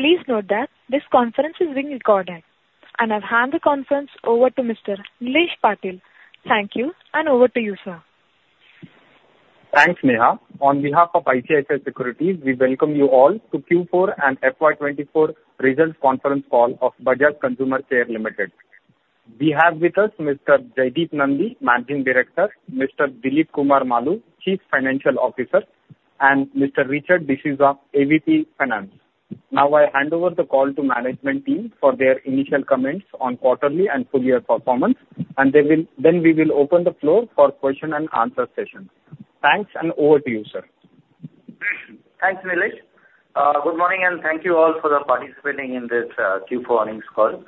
Please note that this conference is being recorded, and I've handed the conference over to Mr. Nilesh Patil. Thank you, and over to you, sir. Thanks, Neha. On behalf of ICICI Securities, we welcome you all to Q4 and FY24 results conference call of Bajaj Consumer Care Limited. We have with us Mr. Jaideep Nandi, Managing Director, Mr. Dilip Kumar Maloo, Chief Financial Officer, and Mr. Richard D'Souza, AVP of Finance. Now I hand over the call to management team for their initial comments on quarterly and full-year performance, and then we will open the floor for question-and-answer sessions. Thanks, and over to you, sir. Thanks, Nilesh. Good morning, and thank you all for participating in this Q4 earnings call.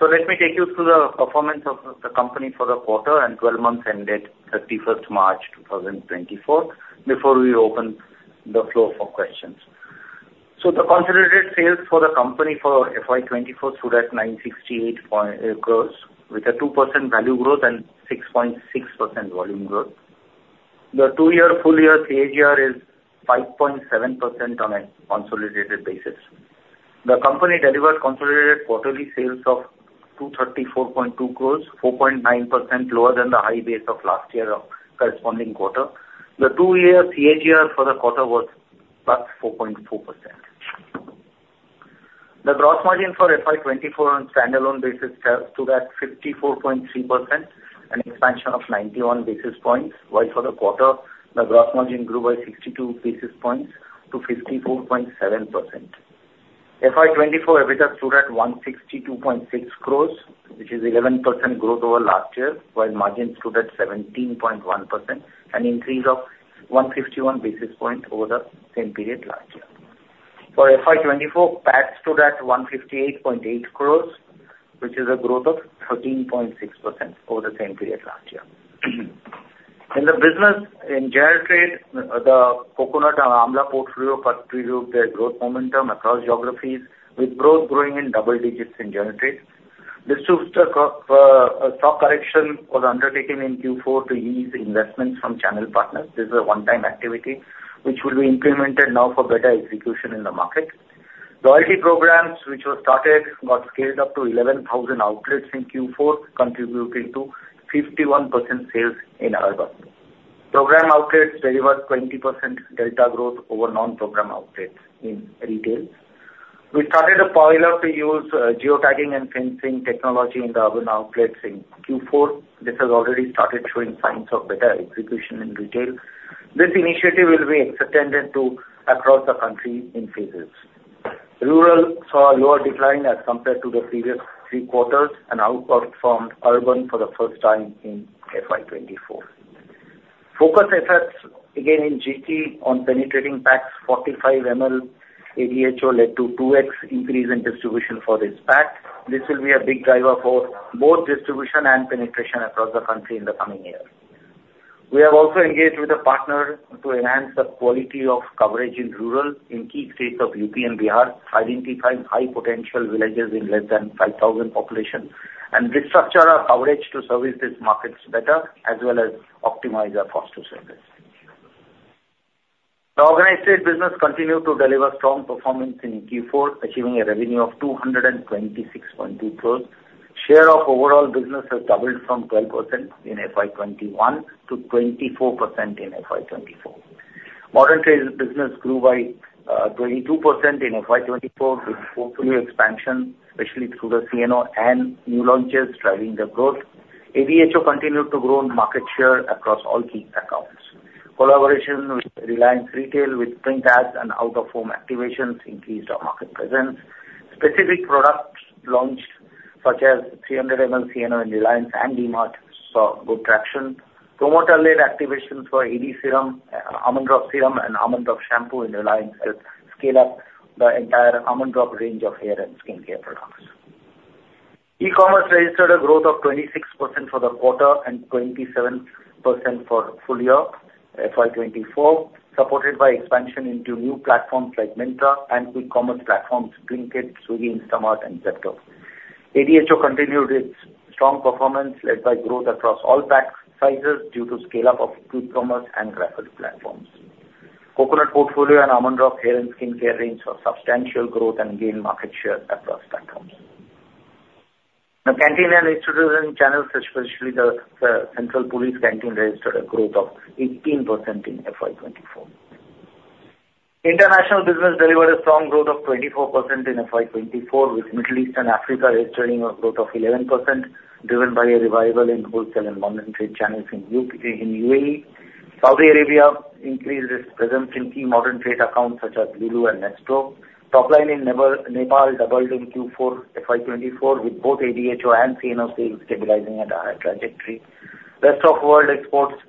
Let me take you through the performance of the company for the quarter and 12 months ended 31st March 2024, before we open the floor for questions. The consolidated sales for the company for FY2024 stood at 968 crore, with a 2% value growth and 6.6% volume growth. The two-year, full-year CAGR is 5.7% on a consolidated basis. The company delivered consolidated quarterly sales of 234.2 crore, 4.9% lower than the high base of last year of corresponding quarter. The two-year CAGR for the quarter was +4.4%. The gross margin for FY2024 on stand alone basis stood at 54.3%, an expansion of 91 basis points, while for the quarter the gross margin grew by 62 basis points to 54.7%. FY24 EBITDA stood at 162.6 crores, which is 11% growth over last year, while margin stood at 17.1%, an increase of 151 basis points over the same period last year. For FY24, PATS stood at 158.8 crores, which is a growth of 13.6% over the same period last year. In the business, in general trade, the coconut and amla portfolio previewed their growth momentum across geographies, with growth growing in double digits in general trade. This shows that a stock correction was undertaken in Q4 to ease investments from channel partners. This is a one-time activity, which will be implemented now for better execution in the market. Loyalty programs, which were started, got scaled up to 11,000 outlets in Q4, contributing to 51% sales in urban. Program outlets delivered 20% delta growth over non-program outlets in retail. We started a pilot to use geotagging and fencing technology in the urban outlets in Q4. This has already started showing signs of better execution in retail. This initiative will be extended across the country in phases. Rural saw a lower decline as compared to the previous three quarters and outperformed urban for the first time in FY2024. Focus effects, again in GT, on penetrating PATS 45 ml ADHO led to 2x increase in distribution for this PAT. This will be a big driver for both distribution and penetration across the country in the coming year. We have also engaged with a partner to enhance the quality of coverage in rural in key states of UP and Bihar, identifying high-potential villages in less than 5,000 population, and restructure our coverage to service these markets better, as well as optimize our cost to service. The Modern trade business continued to deliver strong performance in Q4, achieving a revenue of 226.2 crore. Share of overall business has doubled from 12% in FY21 to 24% in FY24. Modern trade business grew by 22% in FY24 with portfolio expansion, especially through the CNO and new launches driving the growth. ADHO continued to grow in market share across all key accounts. Collaboration with Reliance Retail, with print ads and out-of-home activations, increased our market presence. Specific products launched, such as 300 ml CNO in Reliance and D-Mart, saw good traction. Promoter-led activations for AD serum, Almond Drops serum, and Almond Drops shampoo in Reliance helped scale up the entire Almond Drops range of hair and skincare products. e-commerce registered a growth of 26% for the quarter and 27% for full-year FY24, supported by expansion into new platforms like Myntra and e-commerce platforms Blinkit, Swiggy, Instamart, and Zepto. ADHO continued its strong performance, led by growth across all pack sizes due to scale-up of e-commerce and quick commerce platforms. Coconut portfolio and Almond Drops hair and skincare range saw substantial growth and gained market share across platforms. The canteen and restaurant channels, especially the central police canteen, registered a growth of 18% in FY2024. International business delivered a strong growth of 24% in FY2024, with Middle East and Africa registering a growth of 11%, driven by a revival in wholesale and modern trade channels in UAE. Saudi Arabia increased its presence in key modern trade accounts such as LuLu and Nesto. Top line in Nepal doubled in Q4 FY2024, with both ADHO and CNO sales stabilizing at a high trajectory. The rest of the world exports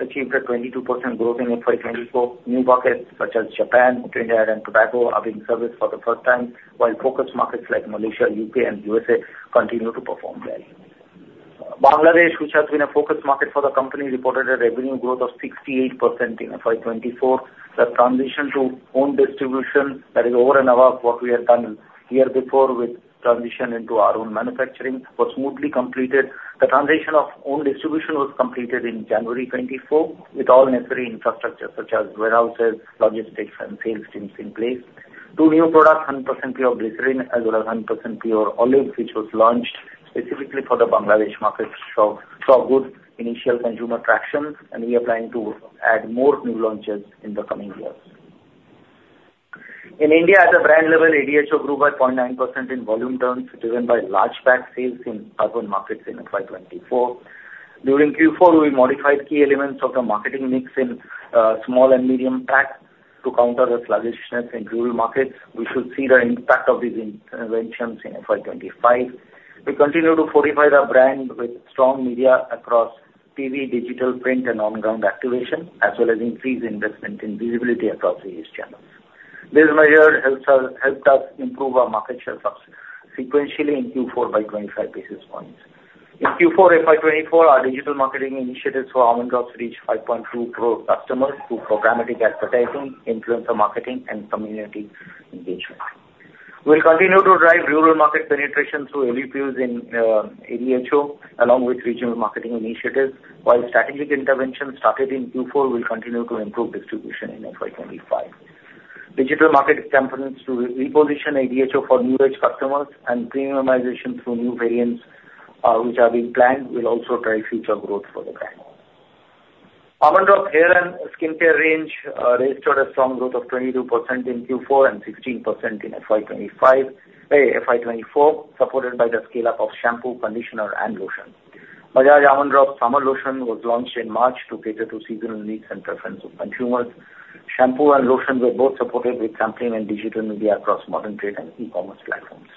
achieved a 22% growth in FY2024. New markets such as Japan, Trinidad and Tobago are being serviced for the first time, while focused markets like Malaysia, U.K., and U.S.A. continue to perform well. Bangladesh, which has been a focused market for the company, reported a revenue growth of 68% in FY24. The transition to own distribution, that is over and above what we had done the year before with transition into our own manufacturing, was smoothly completed. The transition of own distribution was completed in January 2024, with all necessary infrastructure such as warehouses, logistics, and sales teams in place. Two new products, 100% pure glycerin as well as 100% pure olive oil, which was launched specifically for the Bangladesh market, saw good initial consumer traction, and we are planning to add more new launches in the coming years. In India, at a brand level, ADHO grew by 0.9% in volume terms, driven by large PATS sales in urban markets in FY24. During Q4, we modified key elements of the marketing mix in small and medium PATS to counter the sluggishness in rural markets. We should see the impact of these interventions in FY25. We continue to fortify the brand with strong media across TV, digital, print, and on-ground activation, as well as increase investment in visibility across these channels. This measure helped us improve our market share sequentially in Q4 by 25 basis points. In Q4 FY24, our digital marketing initiatives for Almond Drops reached 5.2 crore customers through programmatic advertising, influencer marketing, and community engagement. We'll continue to drive rural market penetration through LUPs in ADHO, along with regional marketing initiatives, while strategic interventions started in Q4 will continue to improve distribution in FY25. Digital marketing campaigns to reposition ADHO for new-age customers and premiumization through new variants, which are being planned, will also drive future growth for the brand. Almond Drops Hair and Skincare range registered a strong growth of 22% in Q4 and 16% in FY24, supported by the scale-up of shampoo, conditioner, and lotion. Bajaj Almond Drops Summer Lotion was launched in March to cater to seasonal needs and preferences of consumers. Shampoo and lotions were both supported with sampling and digital media across modern trade and e-commerce platforms.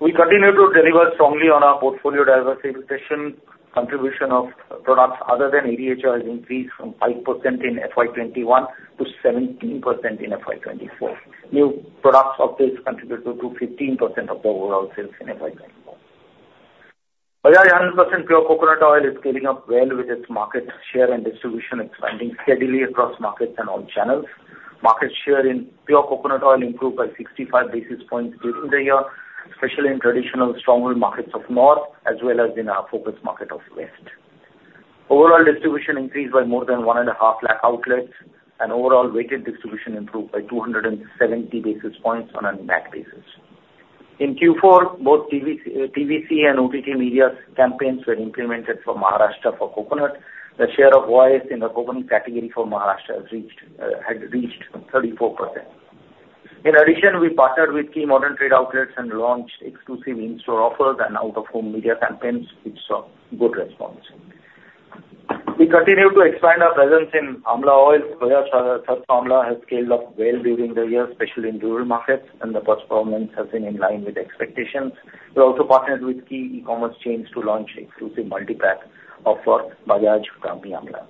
We continue to deliver strongly on our portfolio diversification. Contribution of products other than ADHO has increased from 5% in FY21 to 17% in FY24. New products of this contribute to 15% of the overall sales in FY24. Bajaj 100% Pure coconut oil is scaling up well with its market share and distribution expanding steadily across markets and all channels. Market share in pure coconut oil improved by 65 basis points during the year, especially in traditional stronger markets of north as well as in our focused market of west. Overall distribution increased by more than 150,000 outlets, and overall weighted distribution improved by 270 basis points on a net basis. In Q4, both TVC and OTT media campaigns were implemented for Maharashtra for coconut. The share of OIS in the coconut category for Maharashtra had reached 34%. In addition, we partnered with key modern trade outlets and launched exclusive in-store offers and out-of-home media campaigns, which saw good response. We continue to expand our presence in amla oil. Bajaj Sarso Amla has scaled up well during the year, especially in rural markets, and the performance has been in line with expectations. We also partnered with key e-commerce chains to launch exclusive multi-pack offer Bajaj Brahmi Amla.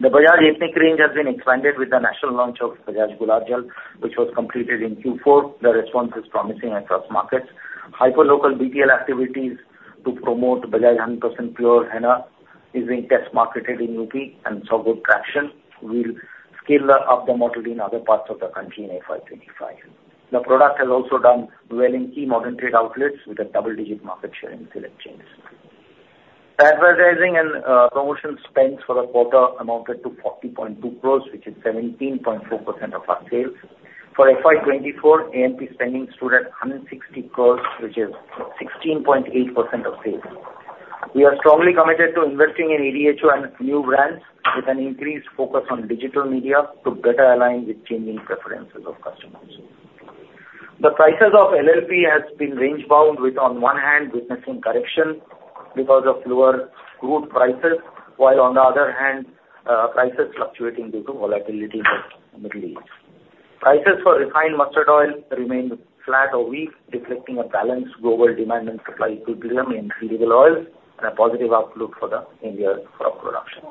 The Bajaj ethnic range has been expanded with the national launch of Bajaj Gulab Jal, which was completed in Q4. The response is promising across markets. Hyperlocal BTL activities to promote Bajaj 100% pure henna is being test marketed in UP and saw good traction. We'll scale up the model in other parts of the country in FY2025. The product has also done well in key modern trade outlets with a double-digit market share in select chains. Advertising and promotion spends for the quarter amounted to 40.2 crore, which is 17.4% of our sales. For FY2024, A&P spending stood at 160 crore, which is 16.8% of sales. We are strongly committed to investing in ADHO and new brands with an increased focus on digital media to better align with changing preferences of customers. The prices of LLP have been range-bound, with, on one hand, witnessing correction because of lower crude prices, while on the other hand, prices fluctuating due to volatility in the Middle East. Prices for refined mustard oil remain flat or weak, reflecting a balanced global demand and supply equilibrium in seed oils and a positive outlook for crop production.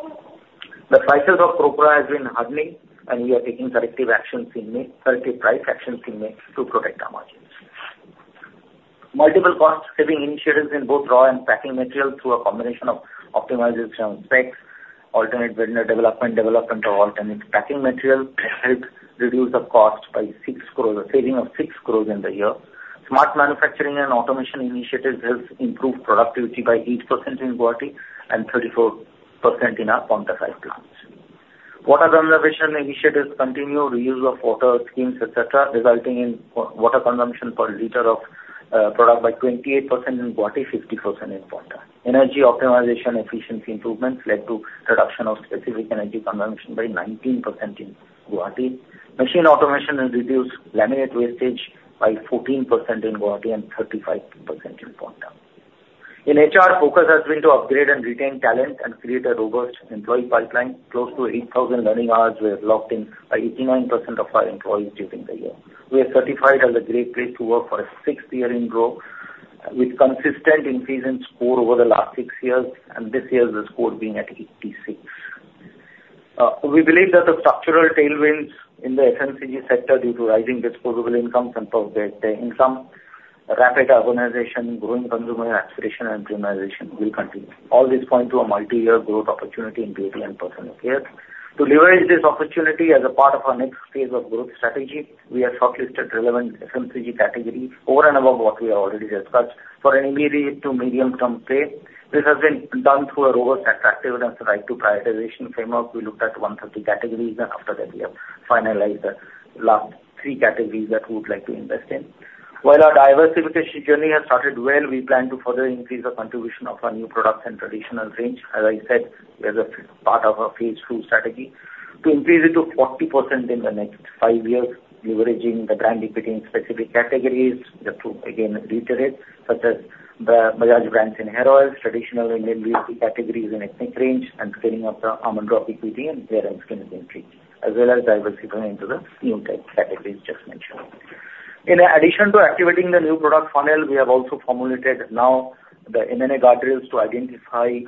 The prices of coconut have been hardening, and we are taking corrective price action schemes to protect our margins. Multiple cost-saving initiatives in both raw and packing materials through a combination of optimization of specs, alternate vendor development, development of alternate packing materials helped reduce the cost by 6 crore, a saving of 6 crore in the year. Smart manufacturing and automation initiatives helped improve productivity by 8% in Guwahati and 34% in our Paonta Sahib brands. Water conservation initiatives continue, reuse of water schemes, etc., resulting in water consumption per liter of product by 28% in Guwahati, 50% in Paonta Sahib. Energy optimization efficiency improvements led to reduction of specific energy consumption by 19% in Guwahati. Machine automation has reduced laminate wastage by 14% in Guwahati and 35% in Paonta Sahib. In HR, focus has been to upgrade and retain talent and create a robust employee pipeline. Close to 8,000 learning hours were locked in by 89% of our employees during the year. We are certified as a great place to work for a sixth year in a row with consistent increase in score over the last six years, and this year the score being at 86. We believe that the structural tailwinds in the FMCG sector due to rising disposable income and per capita income, rapid urbanization, growing consumer aspiration, and optimization will continue. All this points to a multi-year growth opportunity in beauty and personal care. To leverage this opportunity as a part of our next phase of growth strategy, we have shortlisted relevant FMCG categories over and above what we have already discussed for an immediate to medium-term pay. This has been done through a robust attractiveness and right-to-prioritization framework. We looked at 130 categories, and after that, we have finalized the last three categories that we would like to invest in. While our diversification journey has started well, we plan to further increase the contribution of our new products and traditional range. As I said, we are part of a phase two strategy to increase it to 40% in the next five years, leveraging the brand equity in specific categories to, again, reiterate, such as Bajaj brands in hair oils, traditional Indian beauty categories in ethnic range, and scaling up the Almond Drops equity in hair and skin entry, as well as diversifying into the new tech categories just mentioned. In addition to activating the new product funnel, we have also formulated now the M&A guardrails to identify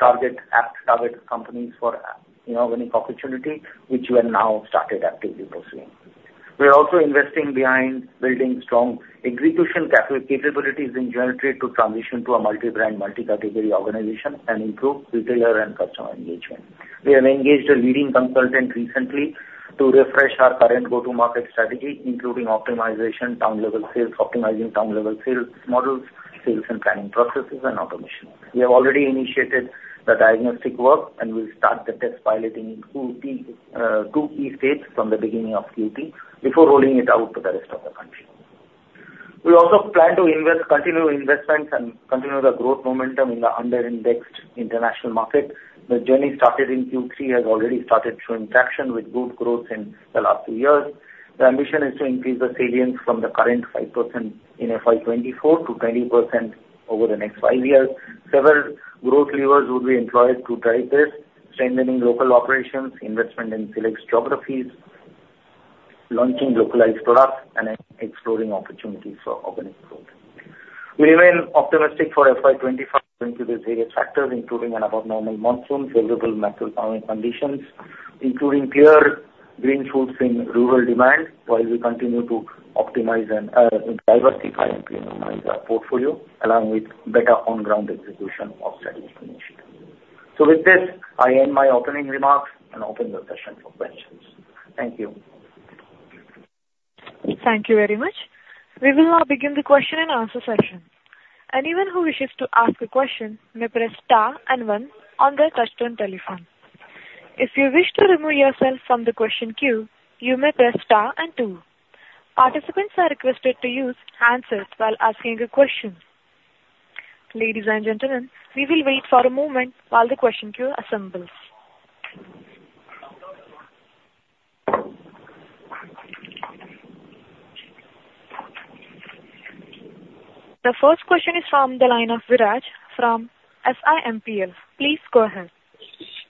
apt target companies for winning opportunity, which we have now started actively pursuing. We are also investing behind building strong execution capabilities in GT to transition to a multi-brand, multi-category organization and improve retailer and customer engagement. We have engaged a leading consultant recently to refresh our current go-to-market strategy, including optimization, optimizing town-level sales models, sales and planning processes, and automation. We have already initiated the diagnostic work, and we'll start the test piloting in two key states from the beginning of Q3 before rolling it out to the rest of the country. We also plan to continue investments and continue the growth momentum in the under-indexed international market. The journey started in Q3 has already started showing traction with good growth in the last two years. The ambition is to increase the salience from the current 5% in FY24 to 20% over the next five years. Several growth levers would be employed to drive this: strengthening local operations, investment in select geographies, launching localized products, and exploring opportunities for organic growth. We remain optimistic for FY25 due to these various factors, including an above-normal monsoon, favorable natural oil conditions, including clear green fruits in rural demand, while we continue to optimize and diversify and [premiumize] our portfolio along with better on-ground execution of strategic initiatives. With this, I end my opening remarks and open the session for questions. Thank you. Thank you very much. We will now begin the question and answer session. Anyone who wishes to ask a question may press star and one on their touchscreen telephone. If you wish to remove yourself from the question queue, you may press star and two. Participants are requested to use hands up while asking a question. Ladies and gentlemen, we will wait for a moment while the question queue assembles. The first question is from the line of Viraj from SiMPL. Please go ahead.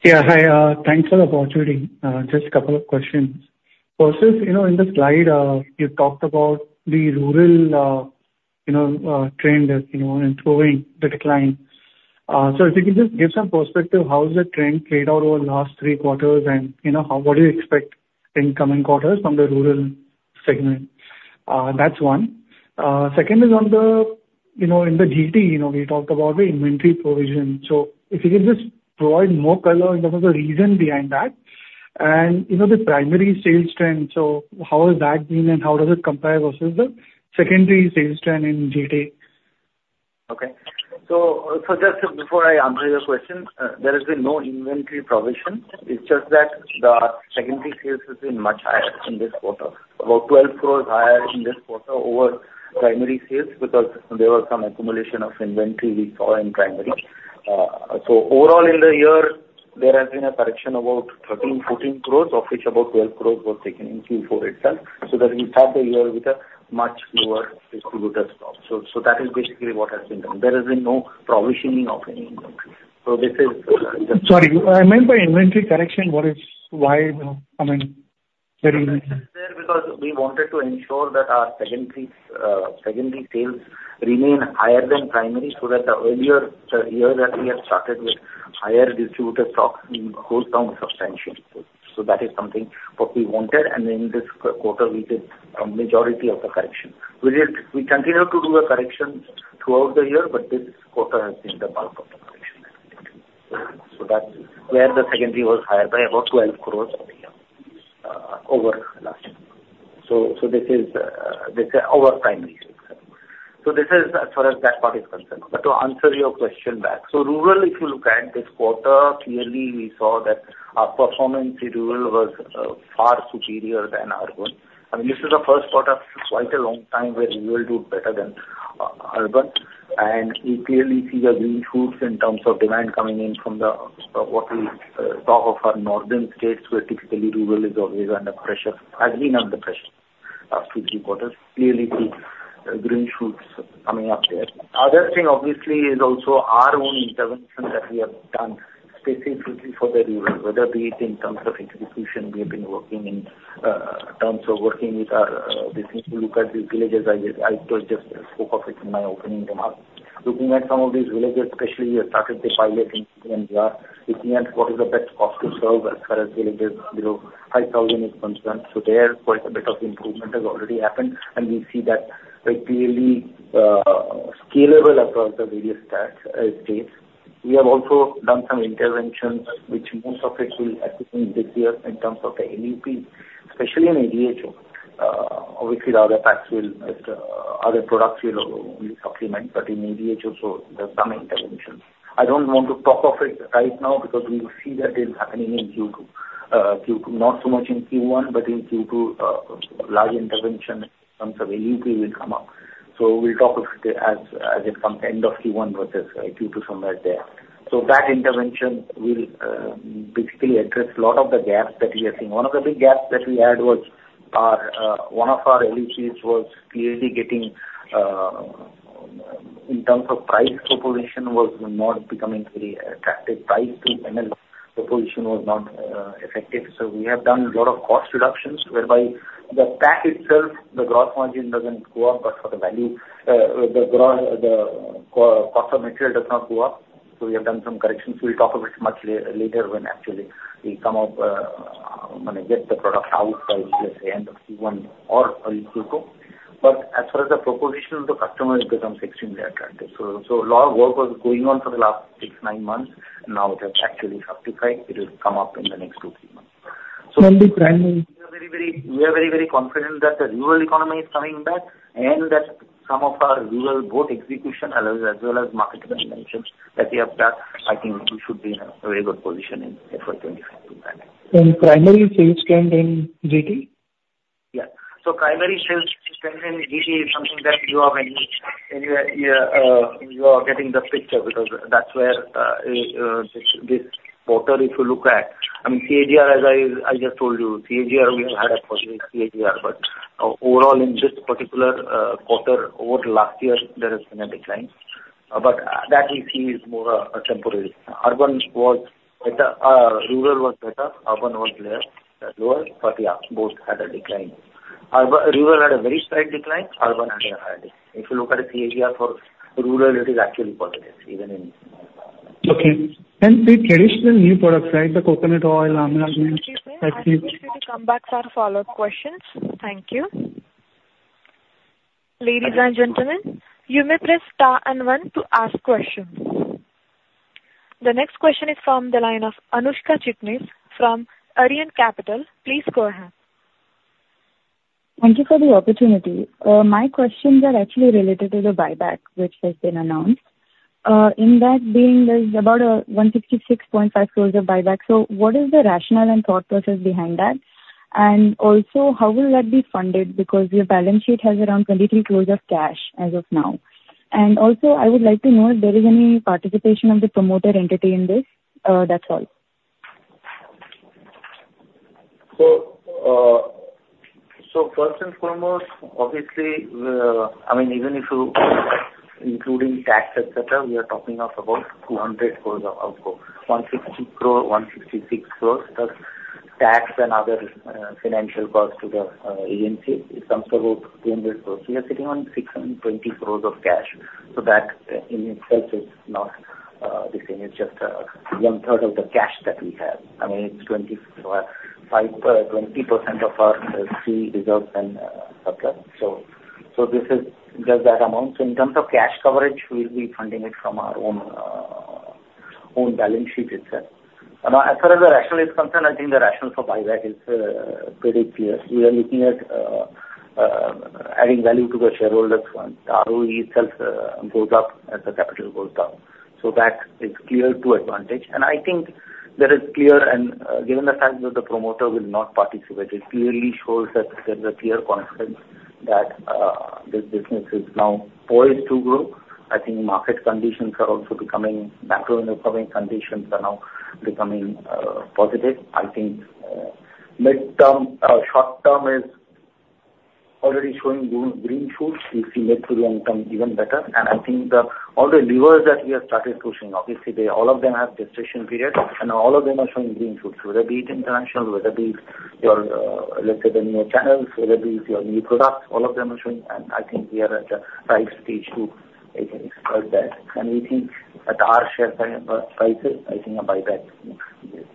Yeah. Hi. Thanks for the opportunity. Just a couple of questions. First, in the slide, you talked about the rural trend improving, the decline. If you can just give some perspective, how has the trend played out over the last three quarters, and what do you expect in coming quarters from the rural segment? That's one. Second is, in the GT, we talked about the inventory provision. If you can just provide more color in terms of the reason behind that and the primary sales trend, so how has that been, and how does it compare versus the secondary sales trend in GT? Okay. Just before I answer your question, there has been no inventory provision. It's just that the secondary sales has been much higher in this quarter, about 12 crore higher in this quarter over primary sales because there was some accumulation of inventory we saw in primary. So overall, in the year, there has been a correction of about 13, 14 crore, of which about 12 crore was taken in Q4 itself so that we start the year with a much lower distributor stock. That is basically what has been done. There has been no provisioning of any inventory. Sorry. I meant by inventory correction, what I mean, very. That is there because we wanted to ensure that our secondary sales remain higher than primary so that the earlier year that we had started with higher distributor stock holds down substantially. That is something what we wanted and in this quarter, we did majority of the correction. We continue to do the corrections throughout the year, but this quarter has been the bulk of the correction. That's where the secondary was higher by about 12 crore over last year. This is over primary sales. This is as far as that part is concerned. But to answer your question back, so rural, if you look at this quarter, clearly we saw that our performance in rural was far superior than urban. I mean, this is the first part of quite a long time where rural do better than urban. You clearly see the green shoots in terms of demand coming in from what we talk of our northern states where typically rural is always under pressure, has been under pressure last two, three quarters. Clearly see green shoots coming up there. Other thing, obviously, is also our own intervention that we have done specifically for the rural, whether be it in terms of execution. We have been working in terms of working with our if you look at these villages, I just spoke of it in my opening remarks. Looking at some of these villages, especially we have started the pilot in Bhandara to see what is the best cost to serve as far as villages below 5,000 is concerned. So there, quite a bit of improvement has already happened, and we see that clearly scalable across the various states. We have also done some interventions, which most of it will happen this year in terms of the NUP, especially in ADHO. Obviously, the other products will only supplement, but in ADHO, so there's some intervention. I don't want to talk of it right now because we will see that it's happening in Q2. Not so much in Q1, but in Q2, large intervention in terms of NUP will come up. We'll talk of it as it comes end of Q1 versus Q2 somewhere there. That intervention will basically address a lot of the gaps that we are seeing. One of the big gaps that we had was one of our LEPs was clearly getting in terms of price proposition was not becoming very attractive. Price to ML proposition was not effective. We have done a lot of cost reductions whereby the pack itself, the gross margin doesn't go up, but for the value, the cost of material does not go up. We have done some corrections. We'll talk of it much later when actually we come up when I get the product out by, let's say, end of Q1 or early Q2. But as far as the proposition of the customer, it becomes extremely attractive. A lot of work was going on for the last 6-9 months, and now it has actually stabilized. It will come up in the next 2-3 months. We are very, very confident that the rural economy is coming back and that some of our rural board execution, as well as market dimensions that we have got. I think we should be in a very good position in FY25 to plan it. Primary sales trend in GT? Yes. Primary sales trend in GT is something that you are getting the picture because that's where this quarter, if you look at—I mean, CAGR, as I just told you, CAGR—we have had a positive CAGR. But overall, in this particular quarter over the last year, there has been a decline. But that we see is more a temporary decline. Urban was better. Rural was better. Urban was lower, but yeah, both had a decline. Rural had a very slight decline. Urban had a higher decline. If you look at the CAGR for rural, it is actually positive, even in. Okay. The traditional new products, right,? the coconut oil, almond oil. I'll just need to come back for follow-up questions. Thank you. Ladies and gentlemen, you may press star and one to ask questions. The next question is from the line of Anushka Chitnis from Arihant Capital. Please go ahead. Thank you for the opportunity. My questions are actually related to the buyback which has been announced. In that being, there's about 166.5 crore of buyback. So what is the rationale and thought process behind that? Also, how will that be funded because your balance sheet has around 23 crore of cash as of now? I would like to know if there is any participation of the promoter entity in this. That's all. First and foremost, obviously, I mean, even if you including tax, etc. We are talking of about 200 crore of outgoing. 166 crore plus tax and other financial costs to the agency. It comes to about 200 crore. We are sitting on 620 crore of cash. That in itself is not the same. It's just one-third of the cash that we have. I mean, it's 20% of our FY results and surplus. This is just that amount. In terms of cash coverage, we'll be funding it from our own balance sheet itself. Now, as far as the rationale is concerned, I think the rationale for buyback is pretty clear. We are looking at adding value to the shareholders' fund. ROE itself goes up as the capital goes down. That is clear to advantage. I think there is clear and given the fact that the promoter will not participate, it clearly shows that there's a clear confidence that this business is now poised to grow. I think market conditions are also becoming macroeconomic conditions are now becoming positive. I think short-term is already showing green fruits. We'll see mid to long-term even better. I think all the levers that we have started pushing, obviously, all of them have gestation periods, and all of them are showing green fruits, whether be it international, whether be it your, let's say, the new channels, whether be it your new products, all of them are showing. I think we are at a right stage to exploit that and we think at our share prices, I think a buyback looks good.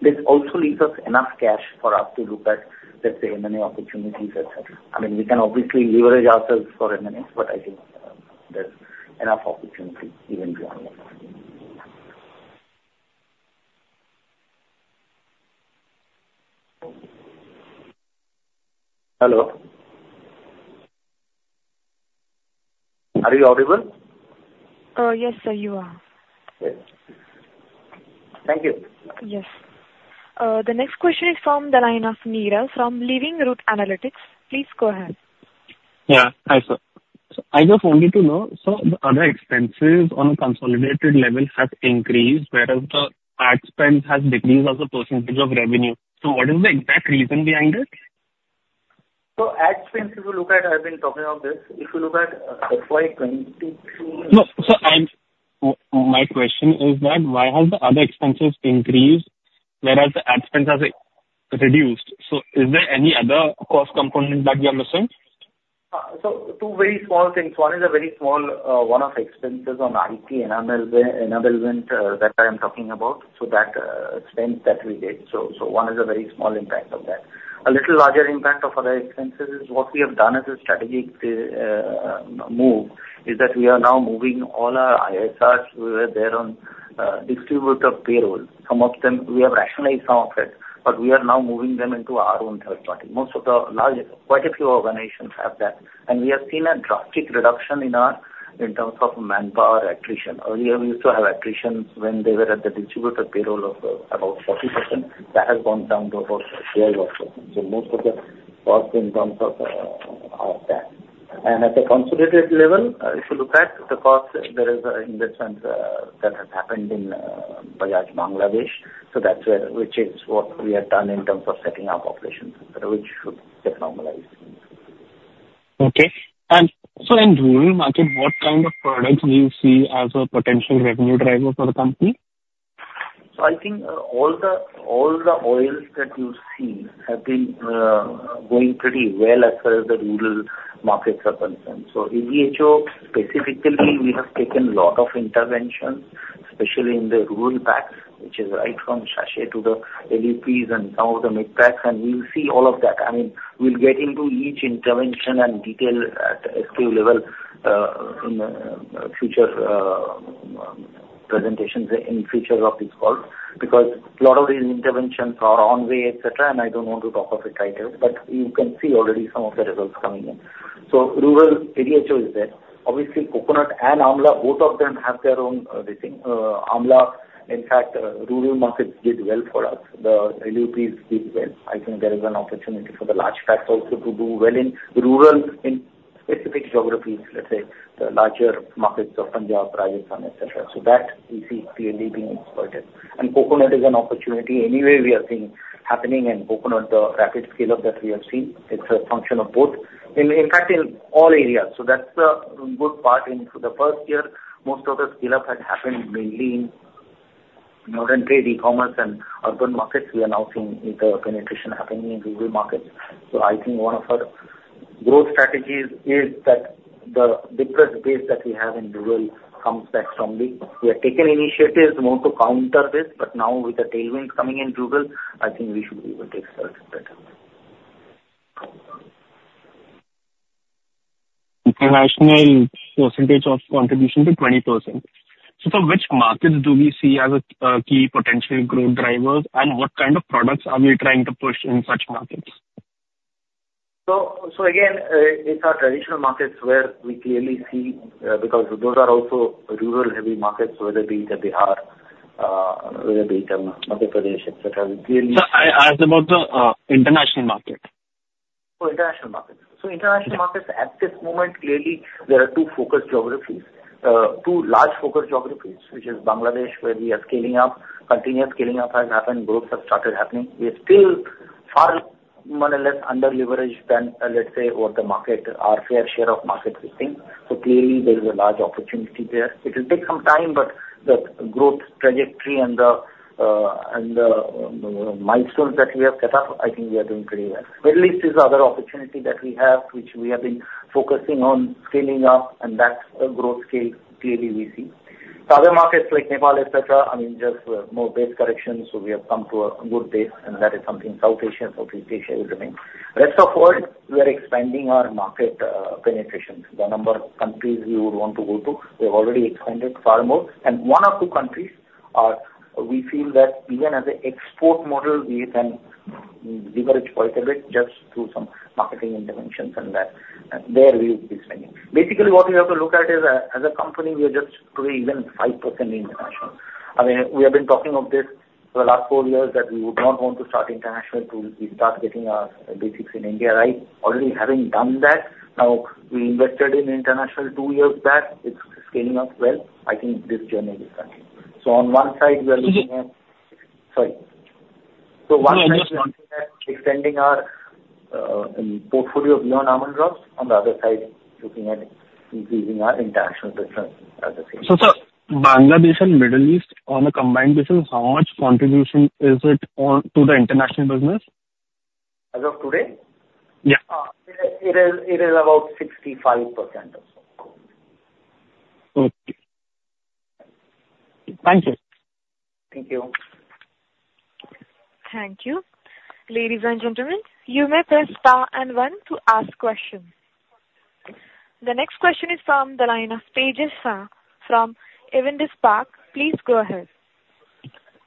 This also leaves us enough cash for us to look at, let's say, M&A opportunities, etc. I mean, we can obviously leverage ourselves for M&As, but I think there's enough opportunity even beyond that. Hello? Are you audible? Yes, sir. You are. Okay. Thank you. Yes. The next question is from the line of Meher from Living Root Analytics. Please go ahead. Yeah. Hi, sir. I just wanted to know, so the other expenses on a consolidated level have increased, whereas the ad spend has decreased as a percentage of revenue. What is the exact reason behind it? Ad spend. I've been talking of this. If you look at FY23. My question is that why has the other expenses increased whereas the ad spend has reduced? Is there any other cost component that we are missing? T two very small things. One is a very small one of expenses on IT enablement that I am talking about, so that spend that we did. So one is a very small impact of that. A little larger impact of other expenses is what we have done as a strategic move is that we are now moving all our ISRs. We were there on distributor payroll. We have rationalized some of it, but we are now moving them into our own third-party. Most of the largest quite a few organizations have that. We have seen a drastic reduction in our in terms of manpower attrition. Earlier, we used to have attritions when they were at the distributor payroll of about 40%. That has gone down to about 12% or so. So most of the cost in terms of our tax. At the consolidated level, if you look at the cost, there is an investment that has happened in Bajaj Bangladesh, which is what we have done in terms of setting up operations, which should get normalized. Okay. In rural market, what kind of products do you see as a potential revenue driver for the company? I think all the oils that you see have been going pretty well as far as the rural markets are concerned. In ADHO, specifically, we have taken a lot of interventions, especially in the rural packs, which is right from sachet to the LUPs and some of the mid-packs and we'll see all of that. I mean, we'll get into each intervention and detail at SKU level in future presentations in future of this call because a lot of these interventions are on way, etc., and I don't want to talk of it right here, but you can see already some of the results coming in. Rural ADHO is there. Obviously, coconut and amla, both of them have their own this thing. Amla, in fact, rural markets did well for us. The LUPs did well. I think there is an opportunity for the large packs also to do well in rural in specific geographies, let's say, the larger markets of Punjab, Rajasthan, etc. That we see clearly being exploited. Coconut is an opportunity anyway we are seeing happening and coconut, the rapid scale-up that we have seen, it's a function of both, in fact, in all areas so that's a good part. In the first year, most of the scale-up had happened mainly in modern trade, e-commerce, and urban markets. We are now seeing the penetration happening in rural markets. I think one of our growth strategies is that the depressed base that we have in rural comes back strongly. We have taken initiatives more to counter this, but now with the tailwinds coming in rural, I think we should be able to exploit it better. International percentage of contribution to 20%. Which markets do we see as key potential growth drivers, and what kind of products are we trying to push in such markets? Again, it's our traditional markets where we clearly see because those are also rural-heavy markets, whether be it in Bihar, whether be it in Madhya Pradesh, etc. We clearly. I asked about the international market. International markets, at this moment, clearly, there are two focus geographies. Two large focus geographies, which is Bangladesh, where we are scaling up. Continuous scaling up has happened. Growth has started happening. We are still far, more or less, under-leveraged than, let's say, what the market, our fair share of market, is seeing so clearly, there is a large opportunity there. It will take some time, but the growth trajectory and the milestones that we have set up, I think we are doing pretty well. Middle East is another opportunity that we have, which we have been focusing on scaling up, and that growth scale clearly we see. Other markets like Nepal, etc., I mean, just more base corrections. We have come to a good base, and that is something South Asia, Southeast Asia will remain. Rest of world, we are expanding our market penetration. The number of countries we would want to go to, we have already expanded far more. One or two countries where we feel that even as an export model, we can leverage quite a bit just through some marketing interventions and that. There, we will be spending. Basically, what we have to look at is, as a company, we are just probably even 5% international. I mean, we have been talking of this for the last four years that we would not want to start international till we start getting our basics in India. We have already done that. Now, we invested in international two years back. It's scaling up well. I think this journey will continue. On one side, we are looking at extending our portfolio beyond Almond Drops. On the other side, looking at increasing our international presence at the same time. Bangladesh and Middle East, on a combined basis, how much contribution is it to the international business? As of today? Yeah. It is about 65% or so. Okay. Thank you. Thank you. Thank you. Ladies and gentlemen, you may press star and one to ask questions. The next question is from the line of Tejas Shah from Avendus Spark. Please go ahead.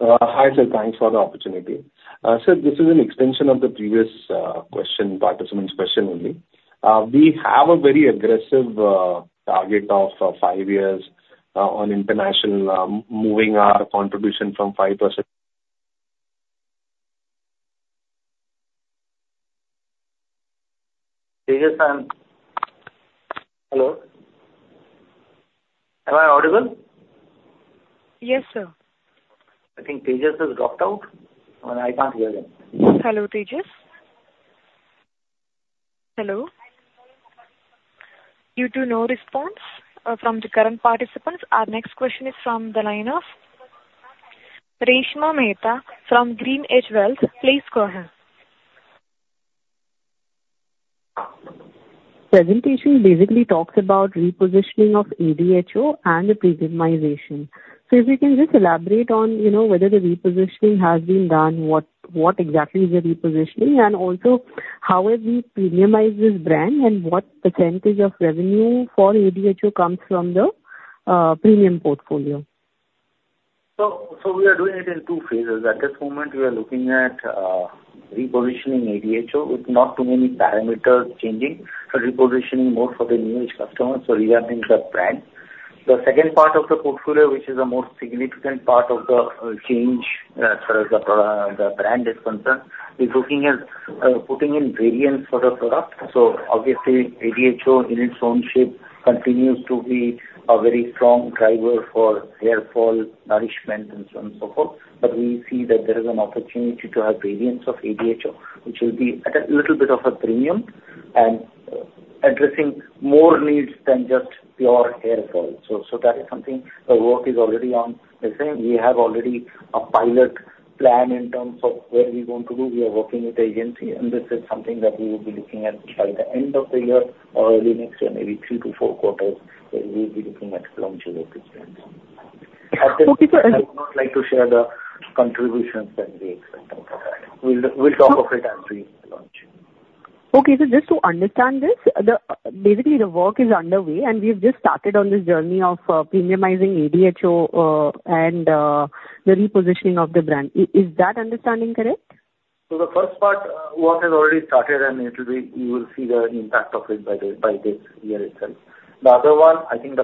Hi, sir. Thanks for the opportunity. Sir, this is an extension of the previous question, participant's question only. We have a very aggressive target of five years on international, moving our contribution from 5%. Hello? Am I audible? Yes, sir. I think Tejas Shah has dropped out, and I can't hear him. Hello, Tejas? Hello? Due to no response from the current participants, our next question is from the line of Reshma Mehta from GreenEdge Wealth. Please go ahead. Presentation basically talks about repositioning of ADHO and the premiumization. If you can just elaborate on whether the repositioning has been done, what exactly is the repositioning, and also how have we premiumized this brand and what percentage of revenue for ADHO comes from the premium portfolio? We are doing it in two phases. At this moment, we are looking at repositioning ADHO with not too many parameters changing, but repositioning more for the new-age customers so rewrapping the brand. The second part of the portfolio, which is a more significant part of the change as far as the brand is concerned, is looking at putting in variants for the product. Obviously, ADHO in its own shape continues to be a very strong driver for hair fall, nourishment, and so on and so forth. But we see that there is an opportunity to have variants of ADHO, which will be at a little bit of a premium and addressing more needs than just pure hair fall. So that is something the work is already on. We have already a pilot plan in terms of where we want to do. We are working with the agency, and this is something that we will be looking at by the end of the year or early next year, maybe 3-4 quarters, where we will be looking at launching of this brand. Okay, sir. I would not like to share the contributions that we expect out of that. We'll talk of it as we launch. Okay, sir. Just to understand this, basically, the work is underway, and we have just started on this journey of premiumizing ADHO and the repositioning of the brand. Is that understanding correct? The first part, work has already started, and you will see the impact of it by this year itself. The other one, I think the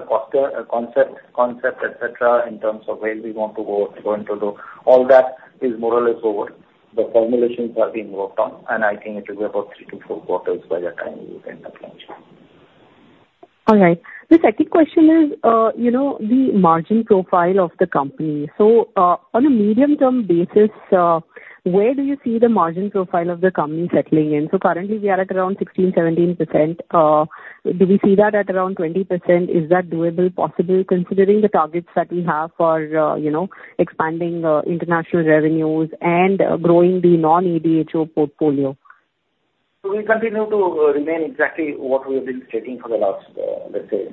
concept, etc., in terms of where we want to go into all that is more or less over. The formulations are being worked on, and I think it will be about 3-4 quarters by the time we will end the launch. All right. The second question is the margin profile of the company. On a medium-term basis, where do you see the margin profile of the company settling in? Currently, we are at around 16%-17%. Do we see that at around 20%? Is that doable, possible, considering the targets that we have for expanding international revenues and growing the non-ADHO portfolio? We continue to remain exactly what we have been stating for the last, let's say,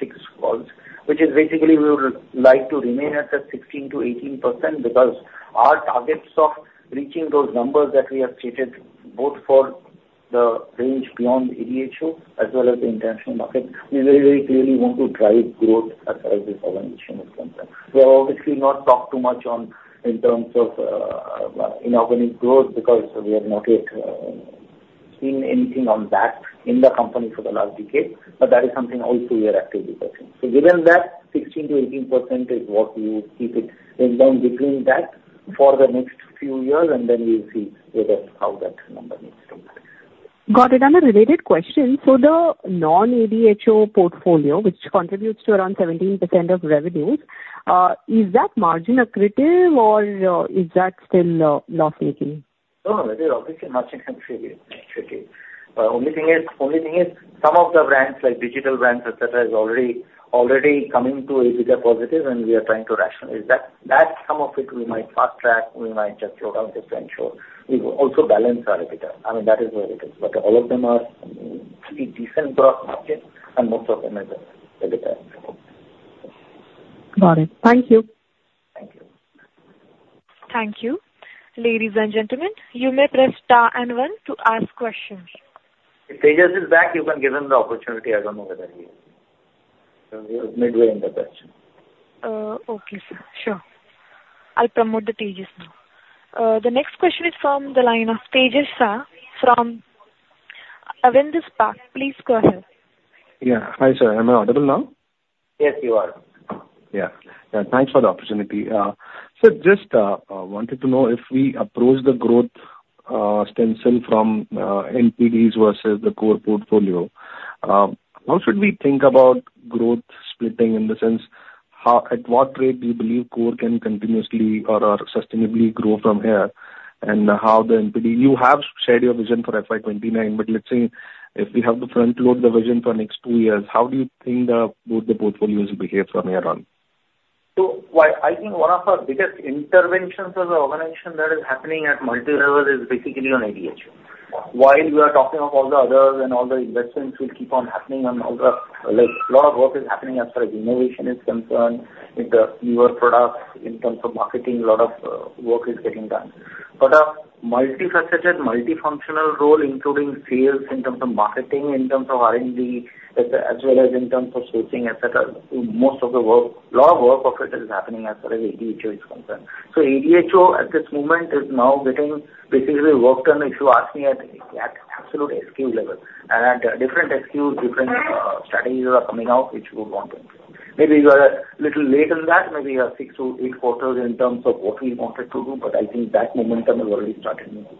6 calls, which is basically we would like to remain at the 16%-18% because our targets of reaching those numbers that we have stated, both for the range beyond ADHO as well as the international market, we very, very clearly want to drive growth as far as this organization is concerned. We have obviously not talked too much in terms of inorganic growth because we have not yet seen anything on that in the company for the last decade, but that is something also we are actively pursuing. Given that, 16%-18% is what we will keep it down between that for the next few years, and then we'll see how that number needs to move. Got it. And a related question. The non-ADHO portfolio, which contributes to around 17% of revenues, is that margin accretive, or is that still loss-making? No, it is obviously margin accretive. The only thing is some of the brands, like digital brands, etc., is already coming to a bigger positive, and we are trying to rationalize. That's some of it we might fast-track. We might just slow down just to ensure we also balance our EBITDA. I mean, that is where it is. But all of them are pretty decent growth margins, and most of them are better. Got it. Thank you. Thank you. Ladies and gentlemen, you may press star and one to ask questions. If Tejas Shah is back, you can give him the opportunity. I don't know whether he is because he was midway in the question. Okay, sir. Sure. I'll promote Tejas Shah now. The next question is from the line of Tejas Shah from Avendus Spark. Please go ahead. Yeah. Hi, sir. Am I audible now? Yes, you are. Thanks for the opportunity. Sir, just wanted to know if we approach the growth [lens] from NPDs versus the core portfolio, how should we think about growth splitting in the sense, at what rate do you believe core can continuously or sustainably grow from here, and how the NPD you have shared your vision for FY29, but let's say if we have to front-load the vision for next two years, how do you think both the portfolios will behave from here on? I think one of our biggest interventions as an organization that is happening at multi-level is basically on ADHO. While we are talking of all the others and all the investments will keep on happening on all the, a lot of work is happening as far as innovation is concerned, newer products, in terms of marketing, a lot of work is getting done. But a multifaceted, multifunctional role, including sales in terms of marketing, in terms of R&D, as well as in terms of sourcing, etc., most of the work, a lot of work of it is happening as far as ADHO is concerned. ADHO, at this moment, is now getting basically worked on, if you ask me, at absolute SKU level and at different SKUs, different strategies are coming out, which we would want to implement. Maybe we are a little late in that. Maybe we are 6-8 quarters in terms of what we wanted to do, but I think that momentum has already started moving.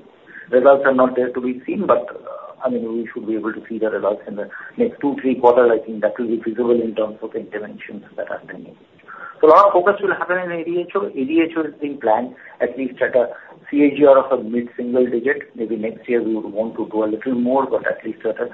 Results are not there to be seen, but I mean, we should be able to see the results in the next 2-3 quarters. I think that will be visible in terms of the interventions that are being made. A lot of focus will happen in ADHO. ADHO is being planned, at least at a CAGR of a mid-single digit. Maybe next year, we would want to do a little more, but at least at a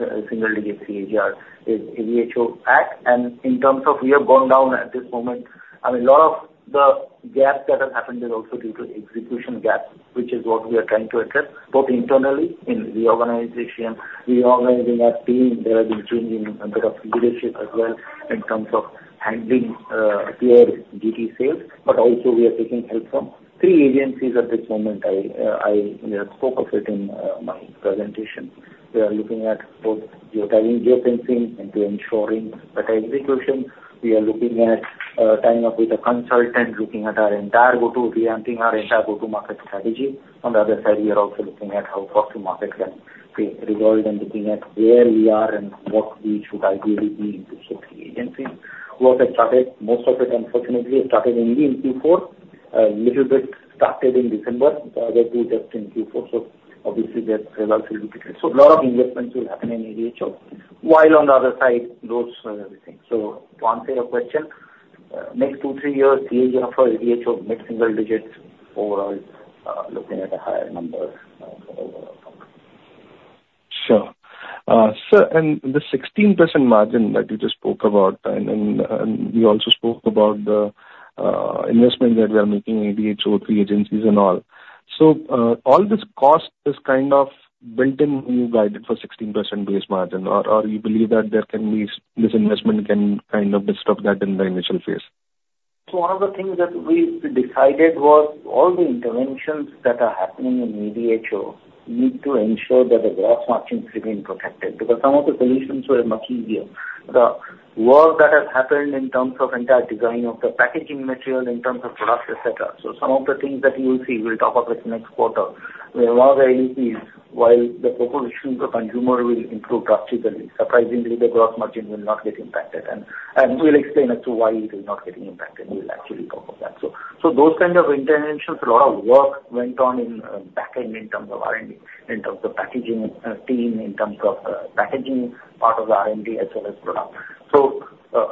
mid-single-digit CAGR is ADHO at. In terms of we have gone down at this moment. I mean, a lot of the gap that has happened is also due to execution gaps, which is what we are trying to address both internally in reorganization. Reorganizing our team, there have been changing a bit of leadership as well in terms of handling pure GT sales, but also we are taking help from three agencies at this moment. I spoke of it in my presentation. We are looking at both geofencing and to ensuring better execution. We are looking at tying up with a consultant, looking at our entire go-to revamping our entire go-to market strategy. On the other side, we are also looking at how cost-to-market can be resolved and looking at where we are and what we should ideally be in the top three agencies. Work has started. Most of it, unfortunately, has started only in Q4, a little bit started in December. The other two just in Q4. So obviously, the results will be visible. So a lot of investments will happen in ADHO while on the other side, growth is happening. To answer your question, next 2-3 years, CAGR for ADHO, mid-single digits, overall, looking at a higher number for the overall company. Sure. Sir, and the 16% margin that you just spoke about, and we also spoke about the investment that we are making in ADHO, three agencies, and all. So all this cost is kind of built-in new guidance for 16% base margin, or you believe that this investment can kind of disrupt that in the initial phase? One of the things that we decided was all the interventions that are happening in ADHO need to ensure that the growth margin is being protected because some of the solutions were much easier. The work that has happened in terms of entire design of the packaging material, in terms of products, etc. Some of the things that you will see, we'll talk of it next quarter. One of the LEPs, while the propositions of consumer will improve drastically, surprisingly, the growth margin will not get impacted. We'll explain as to why it is not getting impacted. We'll actually talk of that. Those kinds of interventions, a lot of work went on in the back end in terms of R&D, in terms of packaging team, in terms of the packaging part of the R&D as well as product.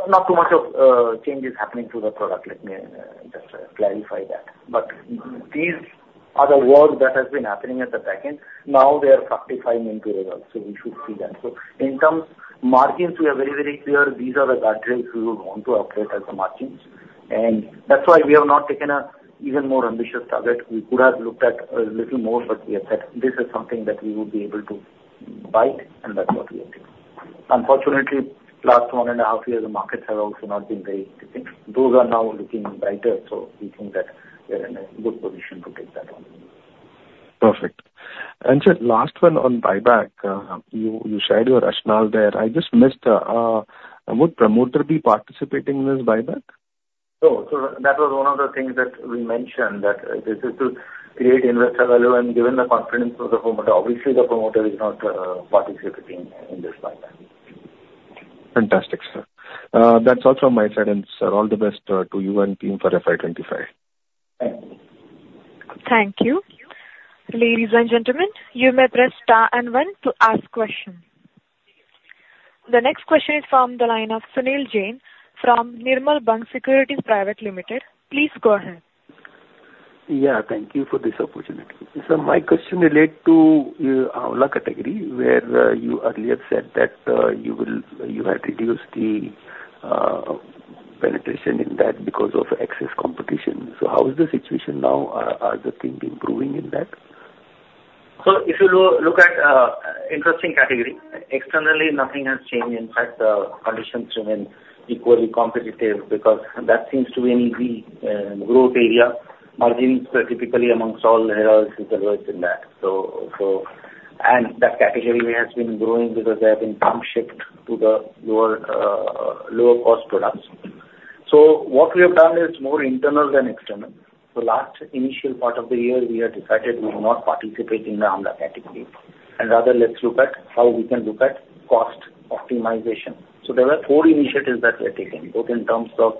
Not too much of change is happening to the product. Let me just clarify that. But these are the work that has been happening at the back end. Now, they are fructifying into results, so we should see that. In terms of margins, we are very, very clear. These are the guardrails we would want to operate as the margins and that's why we have not taken an even more ambitious target. We could have looked at a little more, but we have said this is something that we would be able to bite, and that's what we have taken. Unfortunately, last one and a half years, the markets have also not been very different. Those are now looking brighter, so we think that we're in a good position to take that on. Perfect. Sir, last one on buyback. You shared your rationale there. I just missed, would promoter be participating in this buyback? Oh, so that was one of the things that we mentioned, that this is to create investor value and given the confidence of the promoter. Obviously, the promoter is not participating in this buyback. Fantastic, sir. That's all from my side, and sir, all the best to you and team for FY25. Thank you. Thank you. Ladies and gentlemen, you may press star and one to ask questions. The next question is from the line of Sunil Jain from Nirmal Bang. Please go ahead. Yeah. Thank you for this opportunity. Sir, my question relates to the Amla category where you earlier said that you had reduced the penetration in that because of excess competition. How is the situation now? Are the things improving in that? If you look at interesting category, externally, nothing has changed. In fact, the conditions remain equally competitive because that seems to be an easy growth area. Margins, specifically amongst all the heroes, is the worst in that and that category has been growing because they have been shifted to the lower-cost products. What we have done is more internal than external. The last initial part of the year, we have decided we will not participate in the Amla category. Rather, let's look at how we can look at cost optimization. There were four initiatives that we have taken, both in terms of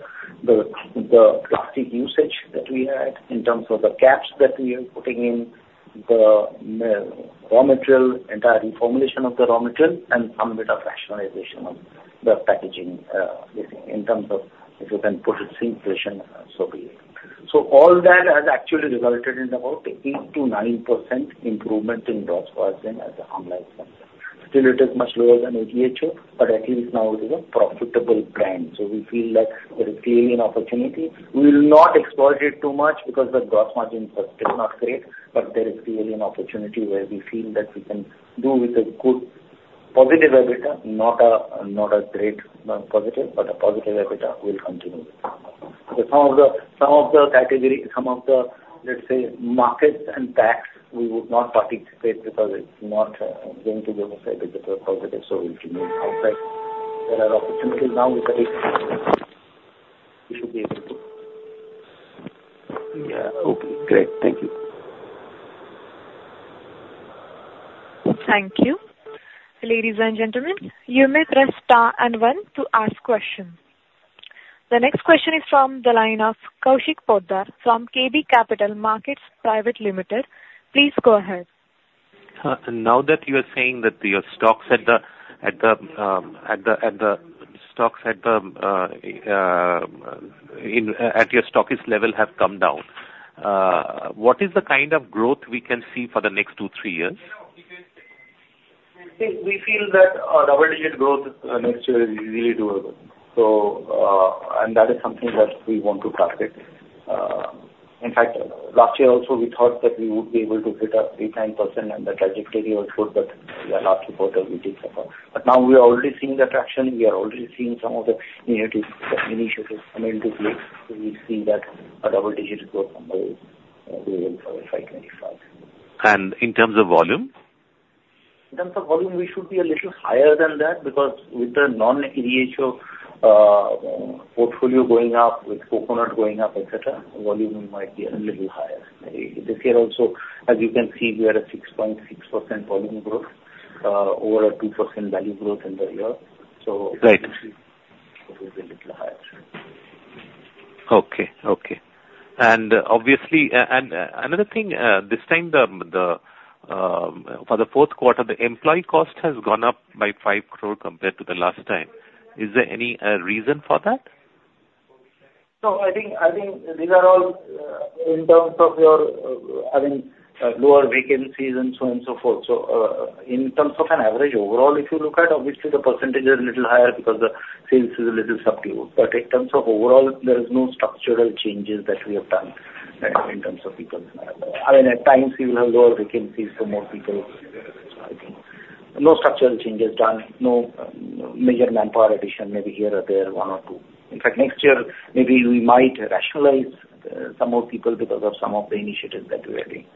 the plastic usage that we had, in terms of the caps that we are putting in the raw material, entire reformulation of the raw material, and some bit of rationalization of the packaging in terms of if you can put it simply, so be it. All that has actually resulted in about 8%-9% improvement in gross margin as an Amla expense. Still, it is much lower than ADHO, but at least now it is a profitable brand. We feel like there is clearly an opportunity. We will not exploit it too much because the gross margin is not great, but there is clearly an opportunity where we feel that we can do with a good positive EBITDA, not a great positive, but a positive EBITDA we'll continue with. Some of the categories, some of the, let's say, markets and tax we would not participate because it's not going to give us a positive, so we'll remain outside. There are opportunities now with the big changes. We should be able to. Yeah. Okay. Great. Thank you. Thank you. Ladies and gentlemen, you may press star and one to ask questions. The next question is from the line of Kaushik Poddar from KB Capital Markets Private Limited. Please go ahead. Now that you are saying that your stocks at your stockist level have come down, what is the kind of growth we can see for the next two, three years? I think we feel that double-digit growth next year is easily doable, and that is something that we want to target. In fact, last year also, we thought that we would be able to hit 8%-9%, and the trajectory was good, but yeah, last quarter, we did suffer. But now we are already seeing the traction. We are already seeing some of the initiatives come into place. We see that a double-digit growth from the way we did for FY25. In terms of volume? In terms of volume, we should be a little higher than that because with the non-ADHO portfolio going up, with coconut going up, etc., volume might be a little higher. This year also, as you can see, we are at 6.6% volume growth over a 2% value growth in the year so we should be a little higher. Okay. Obviously, another thing, this time for the fourth quarter, the employee cost has gone up by 5 crore compared to the last time. Is there any reason for that? I think these are all in terms of your having lower vacancies and so on and so forth. In terms of an average overall, if you look at, obviously, the percentage is a little higher because the sales is a little subdued. But in terms of overall, there are no structural changes that we have done in terms of people. I mean, at times, we will have lower vacancies for more people, so I think no structural changes done, no major manpower addition maybe here or there, one or two. In fact, next year, maybe we might rationalize some more people because of some of the initiatives that we are doing,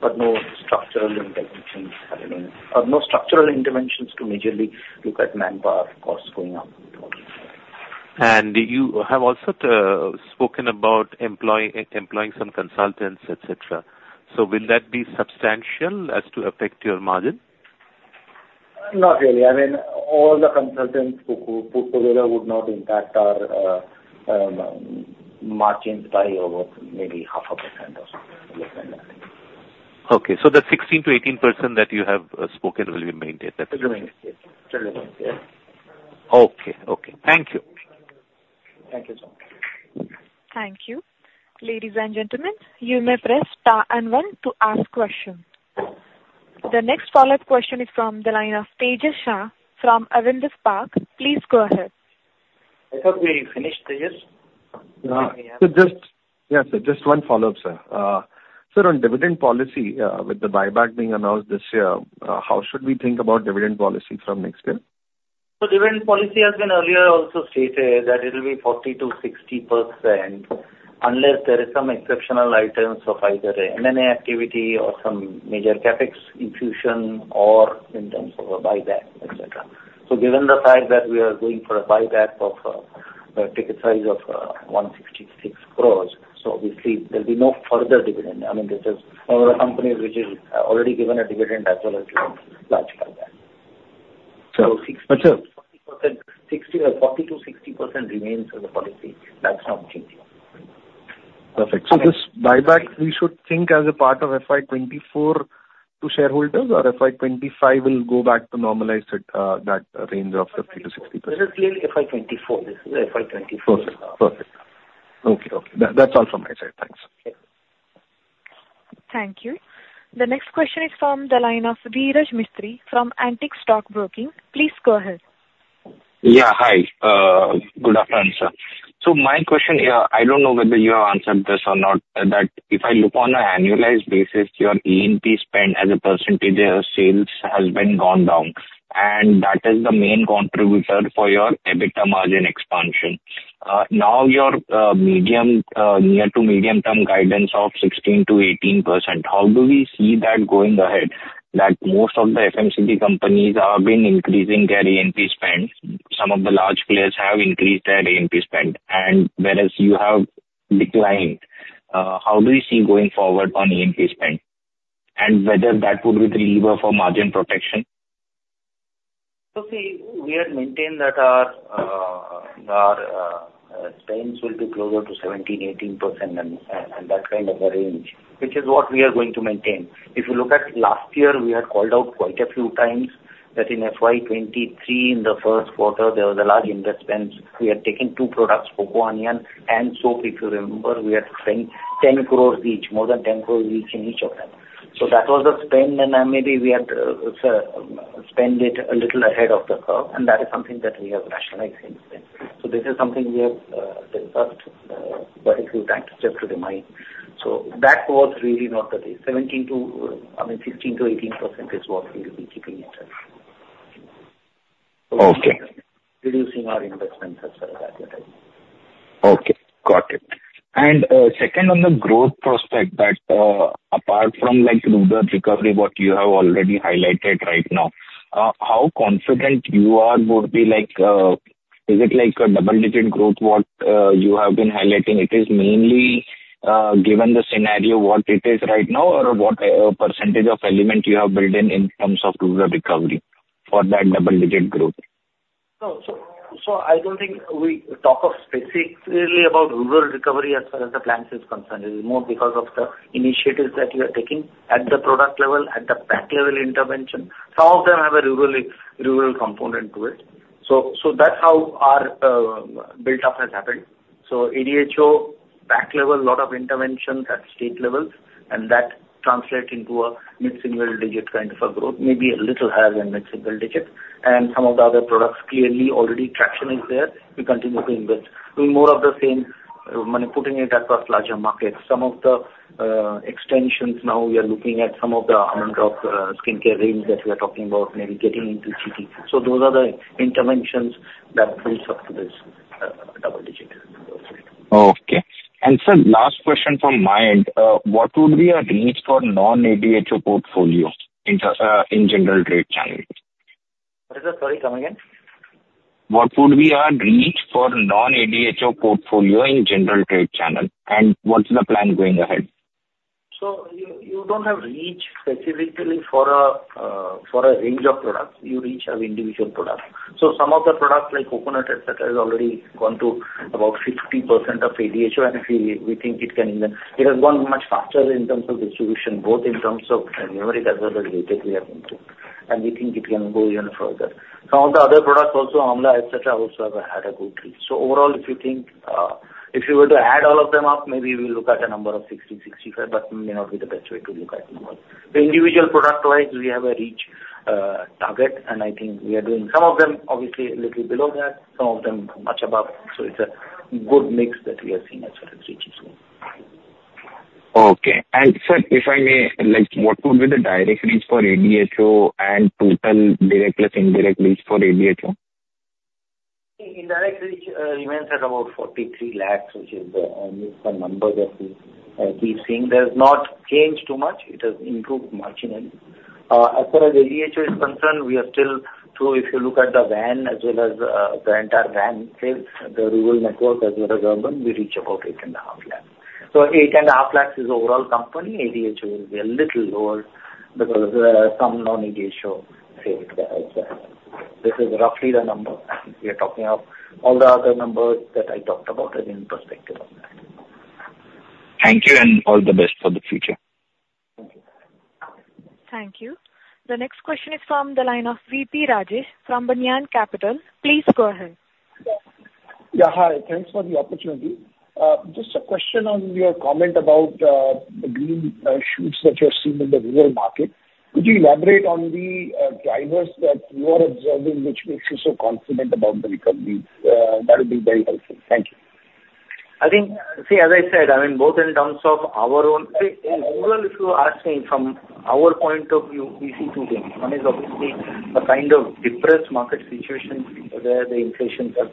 but no structural interventions happening or no structural interventions to majorly look at manpower costs going up. You have also spoken about employing some consultants, etc. Will that be substantial as to affect your margin? Not really. I mean, all the consultants put together would not impact our margins by maybe 0.5% or something less than that. Okay. The 16%-18% that you have spoken will be maintained. That's correct? It will remain. Yes. Okay. Thank you. Thank you so much. Thank you. Ladies and gentlemen, you may press star and one to ask questions. The next follow-up question is from the line of Tejas Shah from Avendus Spark. Please go ahead. I thought we finished, Tejas. Just one follow-up, sir. Sir, on dividend policy, with the buyback being announced this year, how should we think about dividend policy from next year? Dividend policy has been earlier also stated that it will be 40%-60% unless there are some exceptional items of either M&A activity or some major CapEx infusion or in terms of a buyback, etc. Given the fact that we are going for a buyback of a ticket size of 166 crore, so obviously, there'll be no further dividend. I mean, this is one of the companies which is already given a dividend as well as large buyback. So 40%-60% remains as a policy. That's not changing. Perfect. So this buyback, we should think as a part of FY2024 to shareholders, or FY2025 will go back to normalize that range of 50%-60%? This is clearly FY24. This is FY24. Perfect. Okay. That's all from my side. Thanks. Thank you. The next question is from the line of Dhiraj Mistry from Antique Stock Broking. Please go ahead. Yeah. Hi. Good afternoon, sir. My question, I don't know whether you have answered this or not, that if I look on an annualized basis, your A&P spend as a percentage of sales has been gone down, and that is the main contributor for your EBITDA margin expansion. Now, your near-to-medium-term guidance of 16%-18%, how do we see that going ahead, that most of the FMCG companies have been increasing their A&P spend? Some of the large players have increased their A&P spend, and whereas you have declined, how do we see going forward on A&P spend and whether that would be reliever for margin protection? Okay. We had maintained that our spends will be closer to 17%-18%, and that kind of a range, which is what we are going to maintain. If you look at last year, we had called out quite a few times that in FY23, in the first quarter, there was a large investment. We had taken two products, Coco Onion and soap. If you remember, we had spent 10 crore each, more than 10 crore each in each of them. That was the spend, and maybe we had spent it a little ahead of the curve, and that is something that we have rationalized since then. This is something we have discussed quite a few times just to remind. That was really not the case. I mean, 16%-18% is what we'll be keeping in touch. We are reducing our investments as far as advertising. Okay. Got it. Second on the growth prospect that apart from the recovery what you have already highlighted right now, how confident you are would be is it a double-digit growth what you have been highlighting? It is mainly given the scenario what it is right now or what percentage of element you have built in in terms of rural recovery for that double-digit growth? I don't think we talk specifically about rural recovery as far as the plants is concerned. It is more because of the initiatives that you are taking at the product level, at the pack level intervention. Some of them have a rural component to it. That's how our buildup has happened. ADHO pack level, a lot of interventions at state levels, and that translates into a mid-single-digit kind of a growth, maybe a little higher than mid-single-digit and some of the other products, clearly, already traction is there. We continue to invest. Doing more of the same putting it across larger markets. Some of the extensions now we are looking at some of the Almond Drops skincare range that we are talking about, maybe getting into GT. Those are the interventions that builds up to this double-digit growth rate. Okay. Sir, last question from my end, what would be our reach for non-ADHO portfolio in general trade channel? What is that? Sorry. Come again. What would be our reach for non-ADHO portfolio in general trade channel, and what's the plan going ahead? You don't have reach specifically for a range of products. You reach individual products. So some of the products like coconut, etc., has already gone to about 50% of ADHO, and we think it can even, it has gone much faster in terms of distribution, both in terms of [GT as well as MT] we have got to and we think it can go even further. Some of the other products also, Amla, etc., also have had a good reach. Overall, if you think you were to add all of them up, maybe we'll look at a number of 60-65, but may not be the best way to look at number. Individual product-wise, we have a reach target, and I think we are doing some of them, obviously, a little below that, some of them much above. It's a good mix that we are seeing as far as reach is going. Okay. Sir, if I may, what would be the direct reach for ADHO and total direct plus indirect reach for ADHO? Indirect reach remains at about 43 lakhs, which is the number that we keep seeing. There's not changed too much. It has improved marginally. As far as ADHO is concerned, we are still through if you look at the Van as well as the entire Van sales, the rural network as well as urban, we reach about 8.5 lakhs. So 8.5 lakhs is overall company, ADHO will be a little lower because some non-ADHO sales as well. This is roughly the number. We are talking of all the other numbers that I talked about as in perspective of that. Thank you, and all the best for the future. Thank you. Thank you. The next question is from the line of VP Rajesh from Banyan Capital. Please go ahead. Yeah. Hi. Thanks for the opportunity. Just a question on your comment about the green shoots that you're seeing in the rural market. Could you elaborate on the drivers that you are observing which makes you so confident about the recovery? That would be very helpful. Thank you. I think, see, as I said, I mean, both in terms of our own rural, if you ask me from our point of view, we see two things. One is obviously a kind of depressed market situation where the inflation has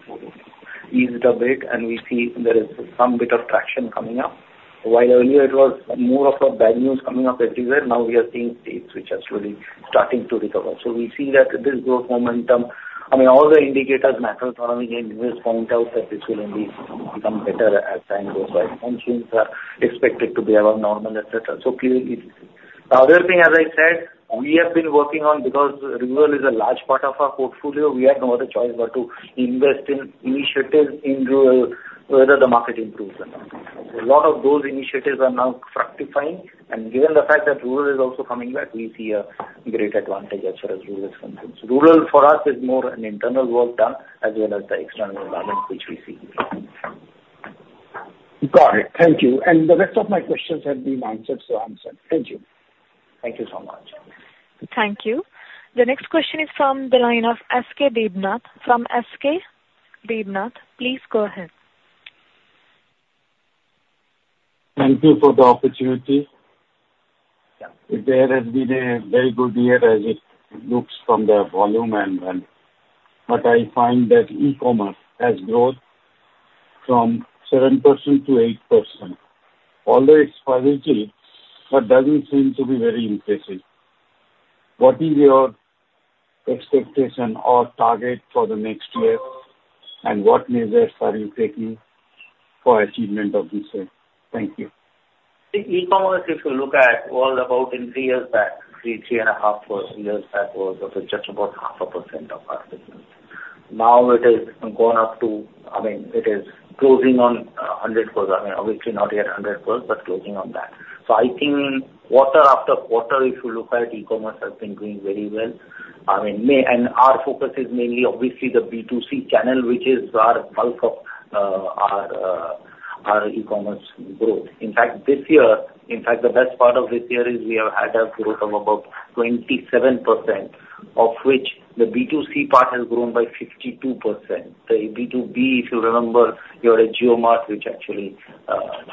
eased a bit, and we see there is some bit of traction coming up. While earlier, it was more of bad news coming up everywhere, now we are seeing states which are slowly starting to recover. So we see that this growth momentum, I mean, all the indicators matter. I mean, again, you just point out that this will indeed become better as time goes by. Pensions are expected to be above normal, etc. Clearly, the other thing, as I said, we have been working on because rural is a large part of our portfolio. We had no other choice but to invest in initiatives in rural whether the market improves or not. A lot of those initiatives are now fructifying, and given the fact that rural is also coming back, we see a great advantage as far as rural expenses. Rural for us is more an internal work done as well as the external environment which we see here. Got it. Thank you. The rest of my questions have been answered, so I'm satisfied. Thank you. Thank you so much. Thank you. The next question is from the line of SK Devnath. From SK Devnath, please go ahead. Thank you for the opportunity. The year has been a very good year as it looks from the volume and revenue. But I find that e-commerce has grown from 7%-8%. Although it's INR 580, that doesn't seem to be very impressive. What is your expectation or target for the next year, and what measures are you taking for achievement of this year? Thank you. I think e-commerce, if you look at all about three years back, three and half years back, was just about 0.5% of our business. Now it has gone up to I mean, it is closing on 100 crore. I mean, obviously, not yet 100 crore, but closing on that. I think quarter after quarter, if you look at e-commerce, has been doing very well. I mean, and our focus is mainly, obviously, the B2C channel, which is our bulk of our e-commerce growth. In fact, this year in fact, the best part of this year is we have had a growth of about 27%, of which the B2C part has grown by 52%. The B2B, if you remember, you had a JioMart which actually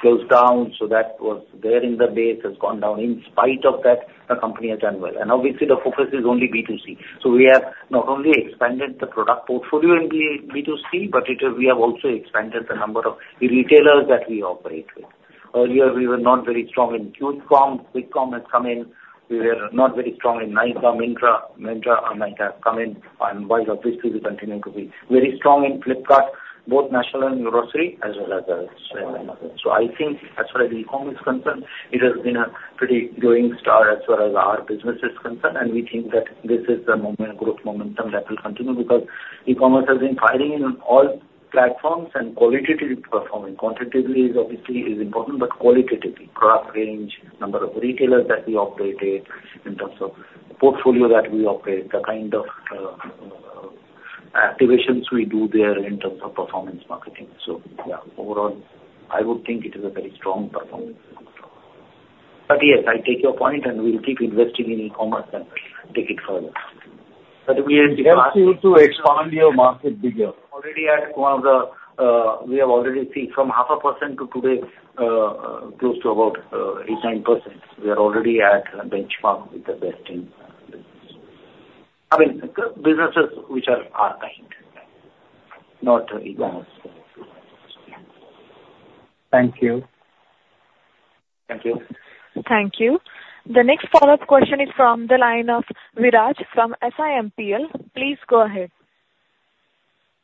closed down, so that was there in the base, has gone down in spite of that. The company has done well. Obviously, the focus is only B2C. We have not only expanded the product portfolio in B2C, but we have also expanded the number of retailers that we operate with. Earlier, we were not very strong in QCOM. Q-commerce has come in. We were not very strong in Nykaa Myntra. Myntra and Nykaa have come in, and while obviously, we continue to be very strong in Flipkart, both national and grocery, as well as other markets. I think as far as e-commerce is concerned, it has been a pretty growing star as far as our business is concerned, and we think that this is the growth momentum that will continue because e-commerce has been firing in all platforms, and qualitatively performing. Quantitatively, obviously, is important, but qualitatively, product range, number of retailers that we operated, in terms of portfolio that we operate, the kind of activations we do there in terms of performance marketing. Yeah, overall, I would think it is a very strong performance market. But yes, I take your point, and we'll keep investing in e-commerce and take it further. But you have to expand your market bigger. Already at one of the we have already seen from 0.5% to today, close to about 8%-9%. We are already at benchmark with the best in business. I mean, businesses which are our kind, not e-commerce. Thank you. Thank you. Thank you. The next follow-up question is from the line of Viraj from SiMPL. Please go ahead.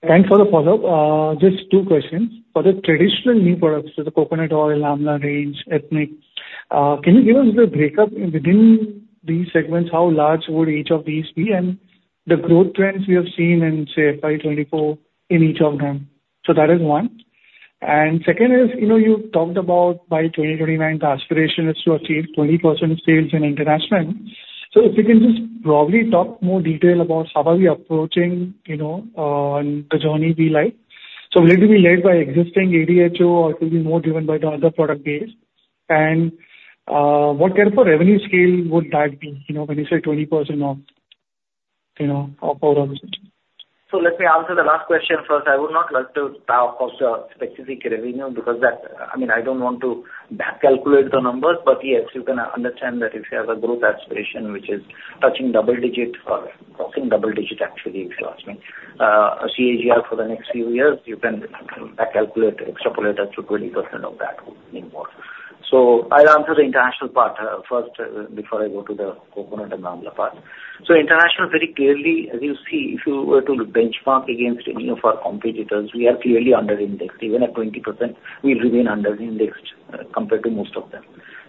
Thanks for the follow-up. Just two questions. For the traditional new products, so the coconut oil, Amla range, Coco Onion, can you give us the breakup within these segments? How large would each of these be and the growth trends we have seen in, say, FY2024 in each of them? That is one. Second is, you talked about by 2029, the aspiration is to achieve 20% sales in international. If you can just probably talk more detail about how are we approaching the journey we like? Will we be led by existing ADHO, or it will be more driven by the other product base? What kind of a revenue scale would that be when you say 20% of our business? Let me answer the last question first. I would not like to talk of the specific revenue because that I mean, I don't want to backcalculate the numbers, but yes, you can understand that if you have a growth aspiration which is touching double-digit or crossing double-digit, actually, if you ask me. CAGR for the next few years, you can backcalculate, extrapolate up to 20% of that. We need more. So I'll answer the international part first before I go to the coconut and amla part. International, very clearly, as you see, if you were to benchmark against any of our competitors, we are clearly underindexed. Even at 20%, we remain underindexed compared to most of them.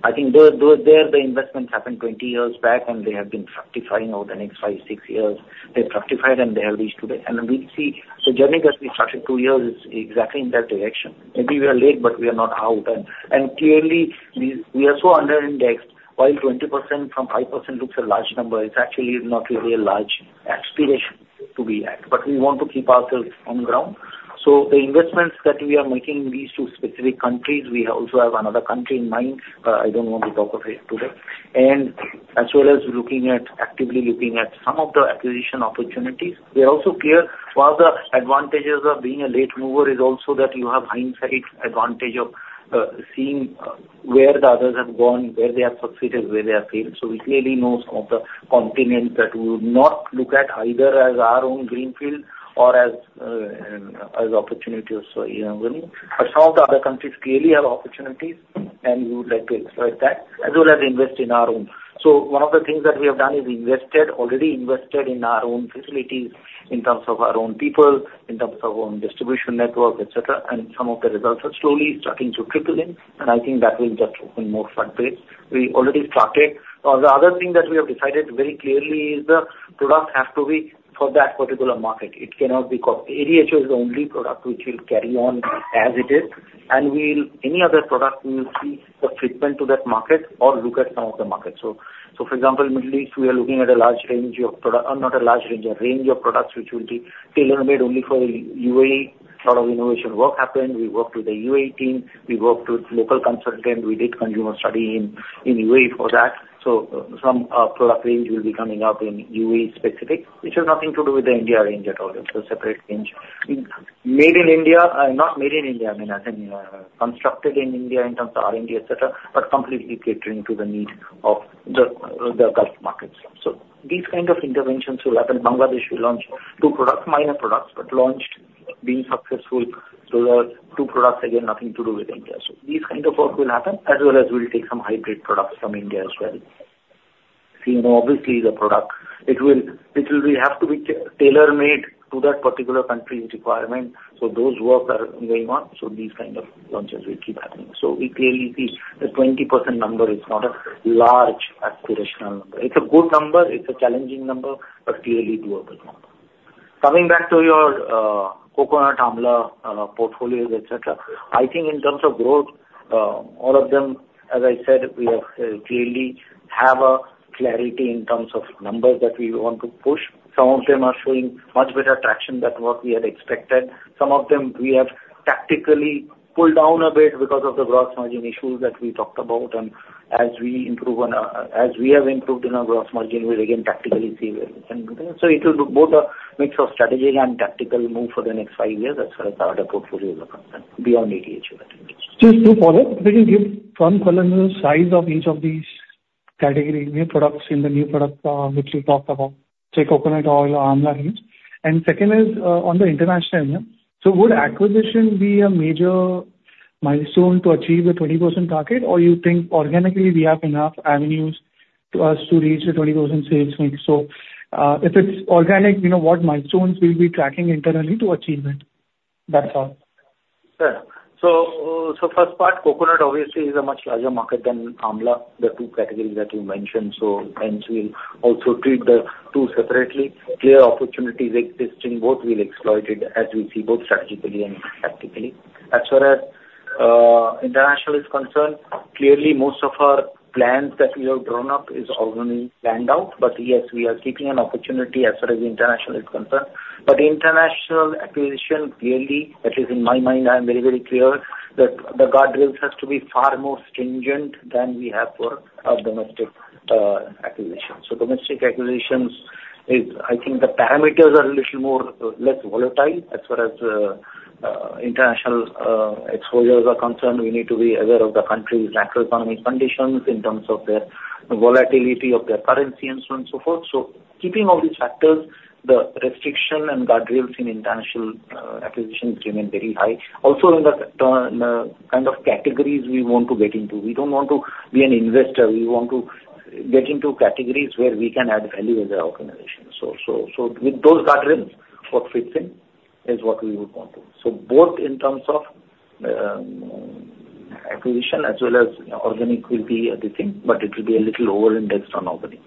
I think there, the investments happened 20 years back, and they have been fructifying over the next five, six years. They've fructified, and they have reached today. We'll see the journey that we started two years is exactly in that direction. Maybe we are late, but we are not out and clearly, we are so underindexed, while 20% from 5% looks a large number, it's actually not really a large aspiration to be at but we want to keep ourselves on ground. The investments that we are making in these two specific countries, we also have another country in mind, but I don't want to talk of it today. As well as actively looking at some of the acquisition opportunities, we are also clear one of the advantages of being a late mover is also that you have hindsight advantage of seeing where the others have gone, where they have succeeded, where they have failed. We clearly know some of the continents that we would not look at either as our own greenfield or as opportunities. But some of the other countries clearly have opportunities, and we would like to exploit that as well as invest in our own. One of the things that we have done is already invested in our own facilities in terms of our own people, in terms of our own distribution network, etc. Some of the results are slowly starting to trickle in, and I think that will just open more floodgates. We already started. The other thing that we have decided very clearly is the products have to be for that particular market. It cannot be. ADHO is the only product which will carry on as it is. Any other product, we will see the fitment to that market or look at some of the markets. For example, Middle East, we are looking at a large range of products not a large range, a range of products which will be tailor-made only for the UAE. A lot of innovation work happened. We worked with the UAE team. We worked with local consultants. We did consumer study in UAE for that. So some product range will be coming up in UAE specific, which has nothing to do with the India range at all. It's a separate range. Made in India not made in India. I mean, as in constructed in India in terms of R&D, etc., but completely catering to the need of the Gulf markets. So these kind of interventions will happen. Bangladesh will launch two minor products, but launched, being successful. The two products, again, nothing to do with India. These kind of work will happen as well as we'll take some hybrid products from India as well. Obviously, the product, it will have to be tailor-made to that particular country's requirement for those works are going on. These kind of launches will keep happening. We clearly see the 20% number is not a large aspirational number. It's a good number. It's a challenging number, but clearly doable number. Coming back to your coconut, Amla portfolios, etc., I think in terms of growth, all of them, as I said, we clearly have a clarity in terms of numbers that we want to push. Some of them are showing much better traction than what we had expected. Some of them, we have tactically pulled down a bit because of the gross margin issues that we talked about. As we have improved in our gross margin, we'll again tactically see where we can move. It will be both a mix of strategic and tactical move for the next five years as far as our portfolios are concerned, beyond ADHO at least. Just two follow-ups. If I can give one column on the size of each of these categories, new products in the new product which you talked about, say, coconut oil or Amla range. Second is on the international end, yeah? Would acquisition be a major milestone to achieve the 20% target, or you think organically, we have enough avenues for us to reach the 20% sales mix? If it's organic, what milestones will we be tracking internally to achieve it? That's all. Sure. First part, coconut obviously is a much larger market than Amla, the two categories that you mentioned so hence, we'll also treat the two separately. Clear opportunities existing. Both will be exploited as we see, both strategically and tactically. As far as international is concerned, clearly, most of our plans that we have drawn up are already planned out. But yes, we are keeping an opportunity as far as international is concerned. But international acquisition, clearly, at least in my mind, I am very, very clear that the guardrails have to be far more stringent than we have for our domestic acquisitions. Domestic acquisitions, I think the parameters are a little more less volatile. As far as international exposures are concerned, we need to be aware of the country's macroeconomic conditions in terms of the volatility of their currency and so on and so forth. Keeping all these factors, the restriction and guardrails in international acquisitions remain very high. Also in the kind of categories we want to get into. We don't want to be an investor. We want to get into categories where we can add value as an organization. With those guardrails, what fits in is what we would want to. Both in terms of acquisition as well as organic will be a big thing, but it will be a little overindexed on organic.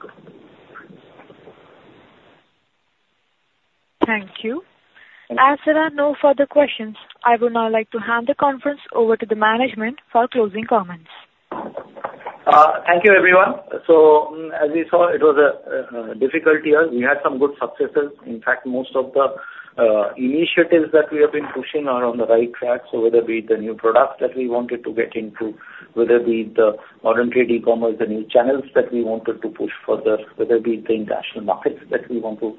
Thank you. As there are no further questions, I would now like to hand the conference over to the management for closing comments. Thank you, everyone. As we saw, it was a difficult year. We had some good successes. In fact, most of the initiatives that we have been pushing are on the right tracks. Whether it be the new products that we wanted to get into, whether it be the modern trade e-commerce, the new channels that we wanted to push further, whether it be the international markets that we want to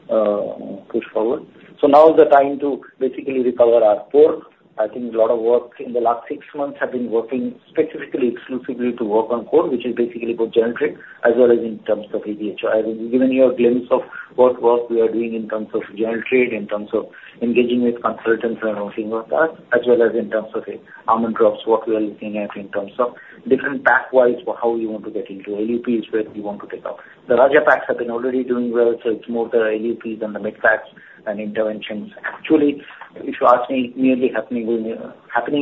push forward. Now is the time to basically recover our core. I think a lot of work in the last six months has been working specifically, exclusively to work on core, which is basically both general trade as well as in terms of ADHO. I will give you a glimpse of what work we are doing in terms of general trade, in terms of engaging with consultants and all things like that, as well as in terms of Almond Drops, what we are looking at in terms of different pathways for how we want to get into LUPs where we want to pick up. The larger packs have been already doing well, so it's more the LUPs and the mid packs and interventions. Actually, if you ask me, nearly happening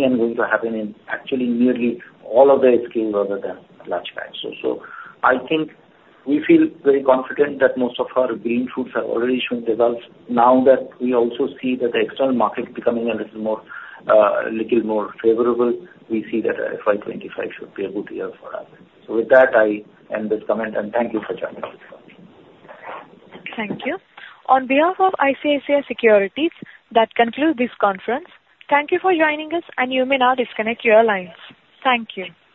and going to happen in actually nearly all of the scales other than large packs. I think we feel very confident that most of our green shoots are already showing results now that we also see that the external market becoming a little more favorable. We see that FY25 should be a good year for us. With that, I end this comment, and thank you for joining us. Thank you. On behalf of ICICI Securities, that concludes this conference. Thank you for joining us, and you may now disconnect your lines. Thank you.